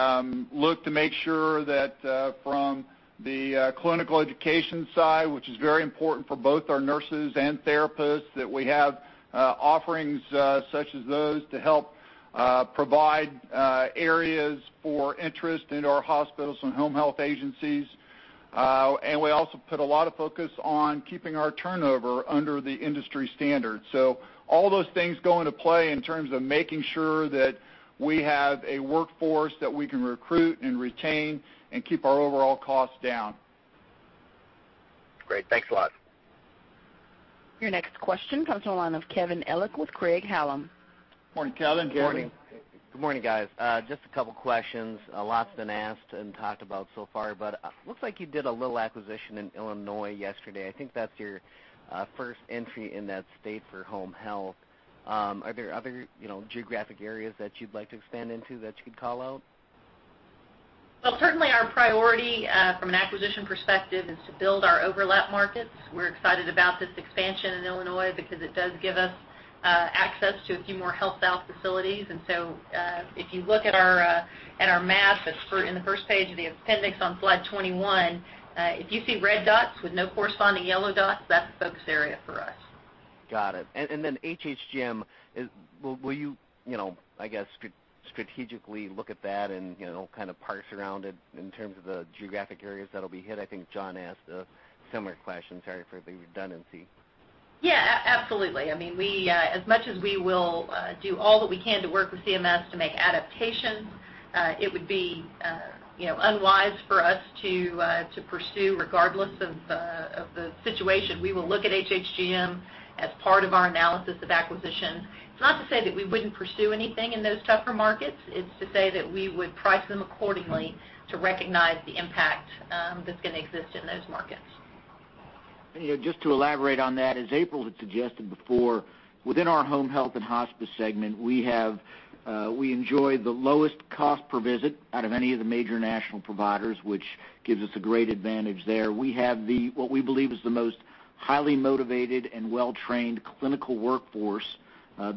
look to make sure that from the clinical education side, which is very important for both our nurses and therapists, that we have offerings such as those to help provide areas for interest in our hospitals and home health agencies. We also put a lot of focus on keeping our turnover under the industry standard. All those things go into play in terms of making sure that we have a workforce that we can recruit and retain and keep our overall costs down. Great. Thanks a lot. Your next question comes on the line of Kevin Ellich with Craig-Hallum. Morning, Kevin. Morning. Good morning, guys. Just a couple of questions. A lot's been asked and talked about so far, looks like you did a little acquisition in Illinois yesterday. I think that's your first entry in that state for home health. Are there other geographic areas that you'd like to expand into that you could call out? Certainly our priority from an acquisition perspective is to build our overlap markets. We're excited about this expansion in Illinois because it does give us access to a few more HealthSouth facilities. If you look at our map in the first page of the appendix on slide 21, if you see red dots with no corresponding yellow dots, that's a focus area for us. Got it. HHGM, will you, I guess, strategically look at that and kind of parse around it in terms of the geographic areas that'll be hit? I think John asked a similar question. Sorry for the redundancy. Yeah, absolutely. As much as we will do all that we can to work with CMS to make adaptations, it would be unwise for us to pursue regardless of the situation. We will look at HHGM as part of our analysis of acquisition. It's not to say that we wouldn't pursue anything in those tougher markets. It's to say that we would price them accordingly to recognize the impact that's going to exist in those markets. Just to elaborate on that, as April had suggested before, within our home health and hospice segment, we enjoy the lowest cost per visit out of any of the major national providers, which gives us a great advantage there. We have what we believe is the most highly motivated and well-trained clinical workforce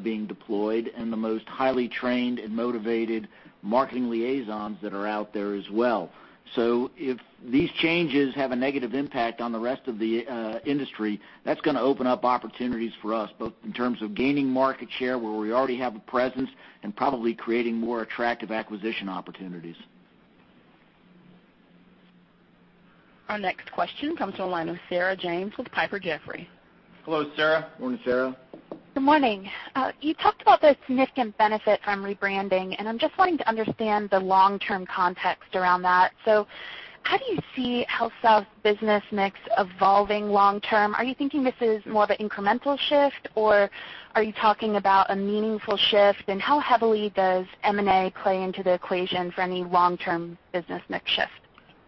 being deployed and the most highly trained and motivated marketing liaisons that are out there as well. If these changes have a negative impact on the rest of the industry, that's going to open up opportunities for us, both in terms of gaining market share where we already have a presence and probably creating more attractive acquisition opportunities. Our next question comes from the line of Sarah James with Piper Jaffray. Hello, Sarah. Morning, Sarah. Good morning. You talked about the significant benefit from rebranding. I'm just wanting to understand the long-term context around that. How do you see HealthSouth's business mix evolving long term? Are you thinking this is more of an incremental shift, or are you talking about a meaningful shift? How heavily does M&A play into the equation for any long-term business mix shift?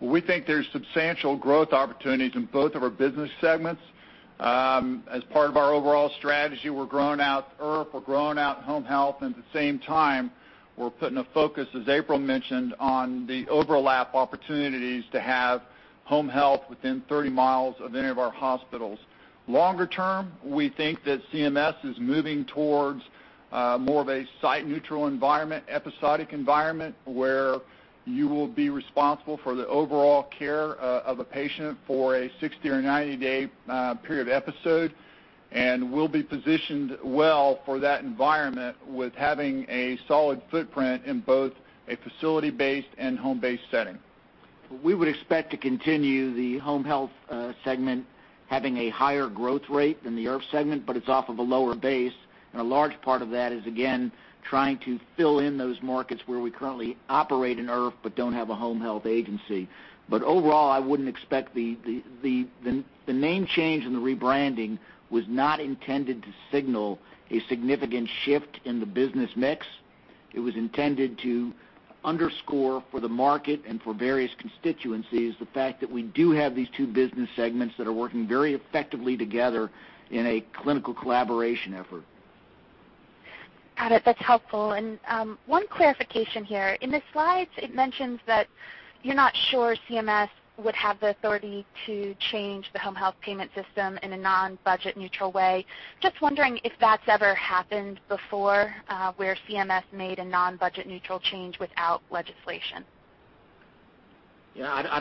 We think there's substantial growth opportunities in both of our business segments. As part of our overall strategy, we're growing out IRF, we're growing out home health. At the same time, we're putting a focus, as April mentioned, on the overlap opportunities to have home health within 30 miles of any of our hospitals. Longer term, we think that CMS is moving towards more of a site-neutral environment, episodic environment, where you will be responsible for the overall care of a patient for a 60 or 90-day period episode. We'll be positioned well for that environment with having a solid footprint in both a facility-based and home-based setting. We would expect to continue the home health segment having a higher growth rate than the IRF segment, but it's off of a lower base. A large part of that is, again, trying to fill in those markets where we currently operate in IRF but don't have a home health agency. Overall, I wouldn't expect the name change and the rebranding was not intended to signal a significant shift in the business mix. It was intended to underscore for the market and for various constituencies the fact that we do have these two business segments that are working very effectively together in a clinical collaboration effort. Got it. That's helpful. One clarification here. In the slides, it mentions that you're not sure CMS would have the authority to change the home health payment system in a non-budget neutral way. Just wondering if that's ever happened before where CMS made a non-budget neutral change without legislation. I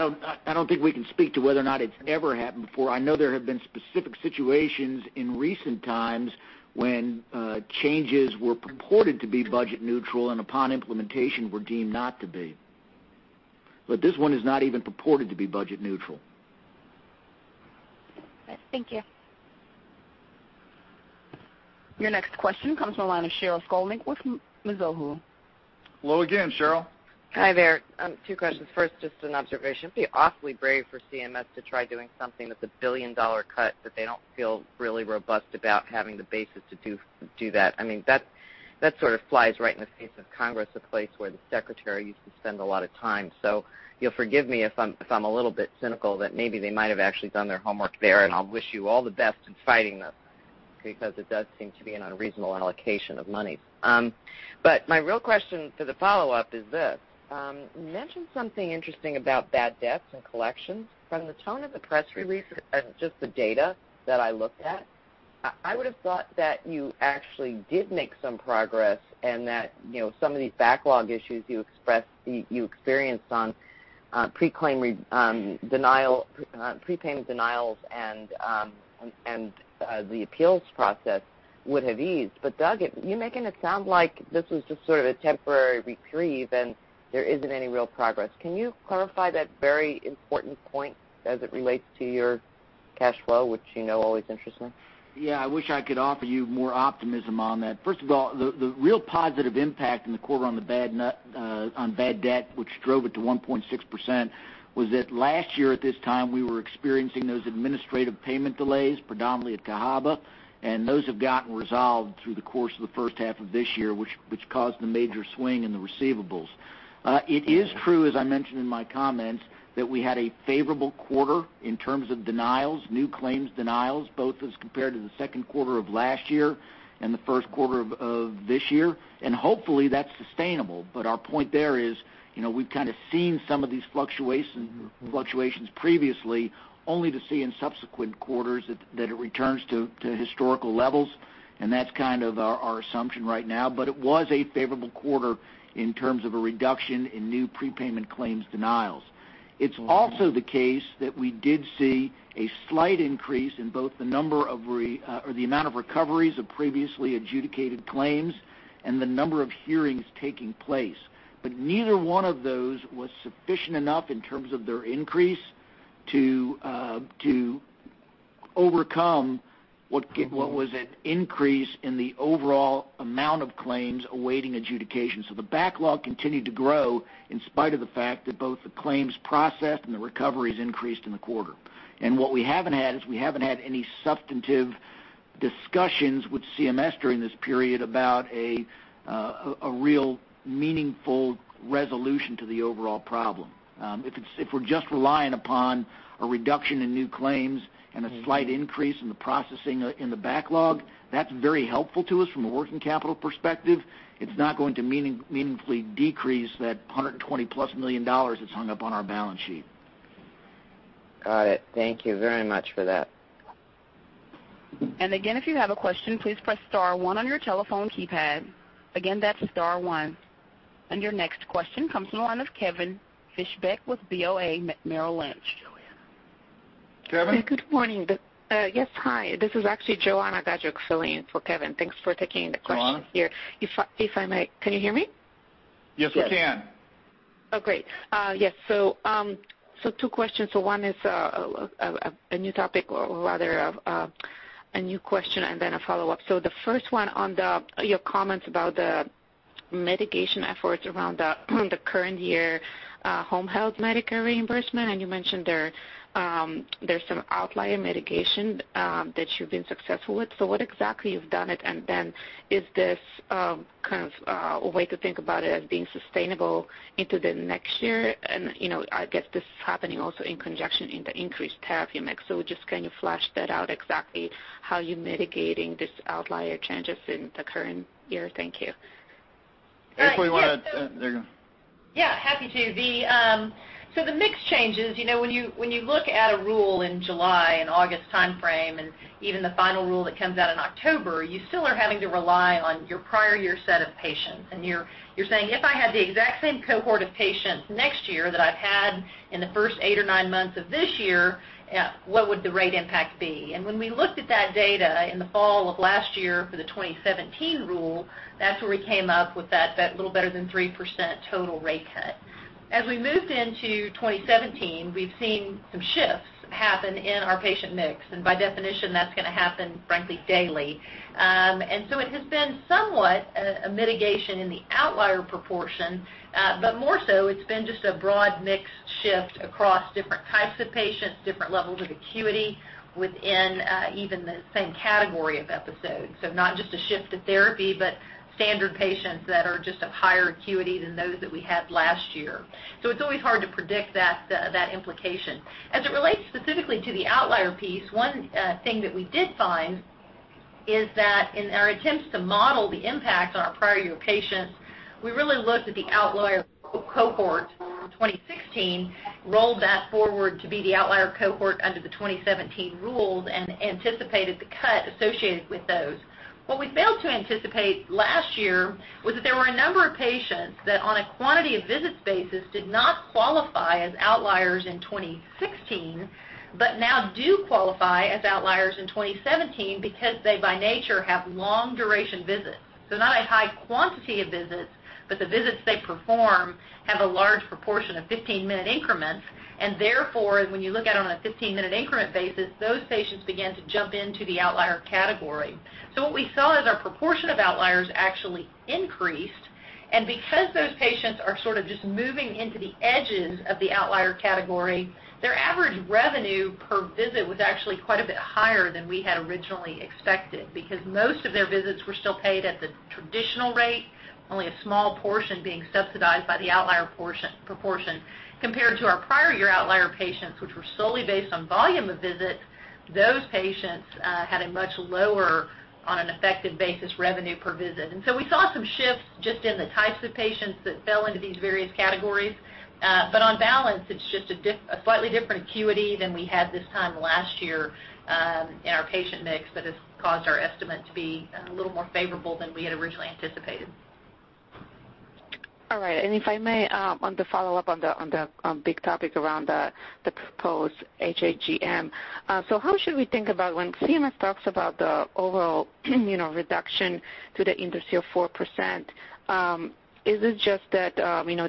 don't think we can speak to whether or not it's ever happened before. I know there have been specific situations in recent times when changes were purported to be budget neutral and upon implementation were deemed not to be. This one is not even purported to be budget neutral. Thank you. Your next question comes from the line of Sheryl Skolnick with Mizuho. Hello again, Sheryl. Hi there. Two questions. First, just an observation. It'd be awfully brave for CMS to try doing something with a $1 billion cut that they don't feel really robust about having the basis to do that. That sort of flies right in the face of Congress, a place where the secretary used to spend a lot of time. You'll forgive me if I'm a little bit cynical that maybe they might have actually done their homework there, and I'll wish you all the best in fighting this, because it does seem to be an unreasonable allocation of money. My real question for the follow-up is this. You mentioned something interesting about bad debts and collections. From the tone of the press release and just the data that I looked at, I would've thought that you actually did make some progress and that some of these backlog issues you experienced on prepayment denials and the appeals process would have eased. Doug, you're making it sound like this was just sort of a temporary reprieve, and there isn't any real progress. Can you clarify that very important point as it relates to your cash flow, which you know always interests me? I wish I could offer you more optimism on that. First of all, the real positive impact in the quarter on bad debt, which drove it to 1.6%, was that last year at this time, we were experiencing those administrative payment delays, predominantly at Cahaba, and those have gotten resolved through the course of the first half of this year, which caused the major swing in the receivables. It is true, as I mentioned in my comments, that we had a favorable quarter in terms of denials, new claims denials, both as compared to the second quarter of last year and the first quarter of this year. Hopefully, that's sustainable. Our point there is, we've kind of seen some of these fluctuations previously, only to see in subsequent quarters that it returns to historical levels, and that's kind of our assumption right now. It was a favorable quarter in terms of a reduction in new prepayment claims denials. It's also the case that we did see a slight increase in both the amount of recoveries of previously adjudicated claims and the number of hearings taking place. Neither one of those was sufficient enough in terms of their increase to overcome what was an increase in the overall amount of claims awaiting adjudication. The backlog continued to grow in spite of the fact that both the claims processed and the recoveries increased in the quarter. What we haven't had is we haven't had any substantive discussions with CMS during this period about a real meaningful resolution to the overall problem. If we're just relying upon a reduction in new claims and a slight increase in the processing in the backlog, that's very helpful to us from a working capital perspective. It's not going to meaningfully decrease that $120-plus million that's hung up on our balance sheet. Got it. Thank you very much for that. Again, if you have a question, please press star one on your telephone keypad. Again, that's star one. Your next question comes from the line of Kevin Fischbeck with BofA Merrill Lynch. Kevin. Good morning. Yes, hi. This is actually Joanna Gajuk filling in for Kevin. Thanks for taking the question here. If I may. Can you hear me? Yes, we can. Great. Yes. Two questions. One is a new topic, or rather, a new question and then a follow-up. The first one on your comments about the mitigation efforts around the current year home health Medicare reimbursement, you mentioned there's some outlier mitigation that you've been successful with. What exactly you've done it, is this kind of a way to think about it as being sustainable into the next year? I guess this is happening also in conjunction in the increased [TAF] mix. Just kind of flash that out exactly how you're mitigating these outlier changes in the current year. Thank you. There you go. Happy to. The mix changes, when you look at a rule in July and August timeframe, and even the final rule that comes out in October, you still are having to rely on your prior year set of patients. You're saying, "If I had the exact same cohort of patients next year that I've had in the first eight or nine months of this year, what would the rate impact be?" When we looked at that data in the fall of last year for the 2017 rule, that's where we came up with that little better than 3% total rate cut. As we moved into 2017, we've seen some shifts happen in our patient mix, and by definition, that's going to happen, frankly, daily. It has been somewhat a mitigation in the outlier proportion, but more so, it's been just a broad mix shift across different types of patients, different levels of acuity within even the same category of episodes. Not just a shift of therapy, but standard patients that are just of higher acuity than those that we had last year. It's always hard to predict that implication. As it relates specifically to the outlier piece, one thing that we did find is that in our attempts to model the impact on our prior year patients, we really looked at the outlier cohort from 2016, rolled that forward to be the outlier cohort under the 2017 rules, and anticipated the cut associated with those. What we failed to anticipate last year was that there were a number of patients that, on a quantity of visits basis, did not qualify as outliers in 2016, but now do qualify as outliers in 2017 because they, by nature, have long-duration visits. Not a high quantity of visits, but the visits they perform have a large proportion of 15-minute increments, and therefore, when you look at it on a 15-minute increment basis, those patients begin to jump into the outlier category. What we saw is our proportion of outliers actually increased. Because those patients are sort of just moving into the edges of the outlier category, their average revenue per visit was actually quite a bit higher than we had originally expected, because most of their visits were still paid at the traditional rate, only a small portion being subsidized by the outlier proportion. Compared to our prior year outlier patients, which were solely based on volume of visits, those patients had a much lower, on an effective basis, revenue per visit. We saw some shifts just in the types of patients that fell into these various categories. On balance, it's just a slightly different acuity than we had this time last year in our patient mix that has caused our estimate to be a little more favorable than we had originally anticipated. All right. If I may, on the follow-up on the big topic around the proposed HHGM. How should we think about when CMS talks about the overall reduction to the industry of 4%? Is it just that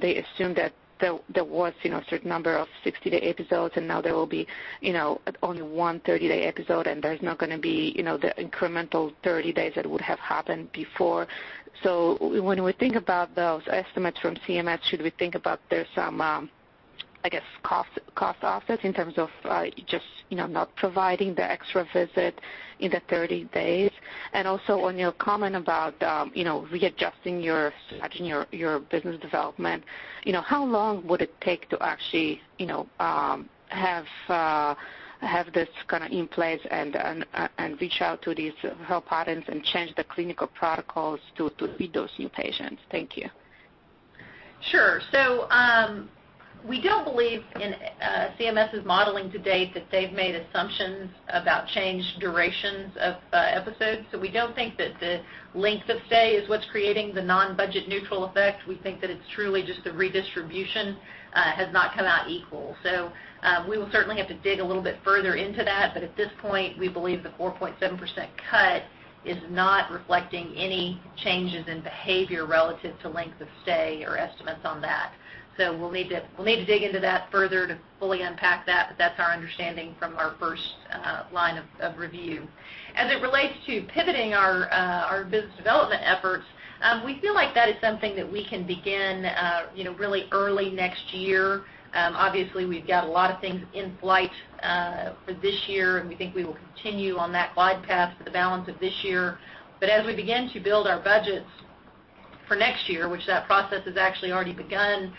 they assume that there was a certain number of 60-day episodes, and now there will be only one 30-day episode, and there's not going to be the incremental 30 days that would have happened before? When we think about those estimates from CMS, should we think about there's some, I guess, cost offset in terms of just not providing the extra visit in the 30 days? Also, on your comment about readjusting your business development, how long would it take to actually have this kind of in place and reach out to these health patterns and change the clinical protocols to feed those new patients? Thank you. Sure. We don't believe in CMS's modeling to date that they've made assumptions about changed durations of episodes. We don't think that the length of stay is what's creating the non-budget neutral effect. We think that it's truly just the redistribution has not come out equal. We will certainly have to dig a little bit further into that. At this point, we believe the 4.7% cut is not reflecting any changes in behavior relative to length of stay or estimates on that. We'll need to dig into that further to fully unpack that, but that's our understanding from our first line of review. As it relates to pivoting our business development efforts, we feel like that is something that we can begin really early next year. Obviously, we've got a lot of things in flight for this year, and we think we will continue on that glide path for the balance of this year. As we begin to build our budgets for next year, which that process has actually already begun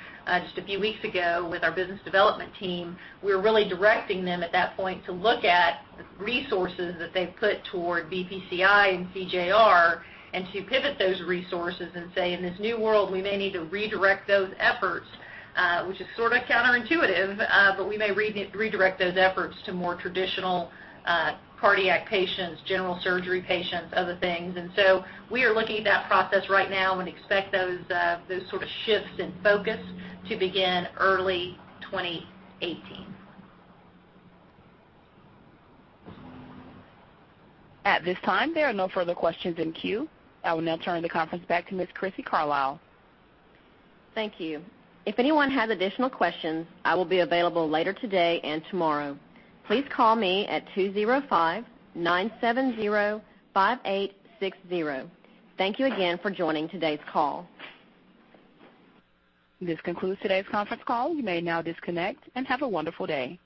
just a few weeks ago with our business development team, we're really directing them at that point to look at resources that they've put toward BPCI and CJR and to pivot those resources and say, in this new world, we may need to redirect those efforts, which is sort of counterintuitive, but we may redirect those efforts to more traditional cardiac patients, general surgery patients, other things. We are looking at that process right now and expect those sort of shifts in focus to begin early 2018. At this time, there are no further questions in queue. I will now turn the conference back to Ms. Crissy Carlisle. Thank you. If anyone has additional questions, I will be available later today and tomorrow. Please call me at 205-970-5860. Thank you again for joining today's call. This concludes today's conference call. You may now disconnect and have a wonderful day.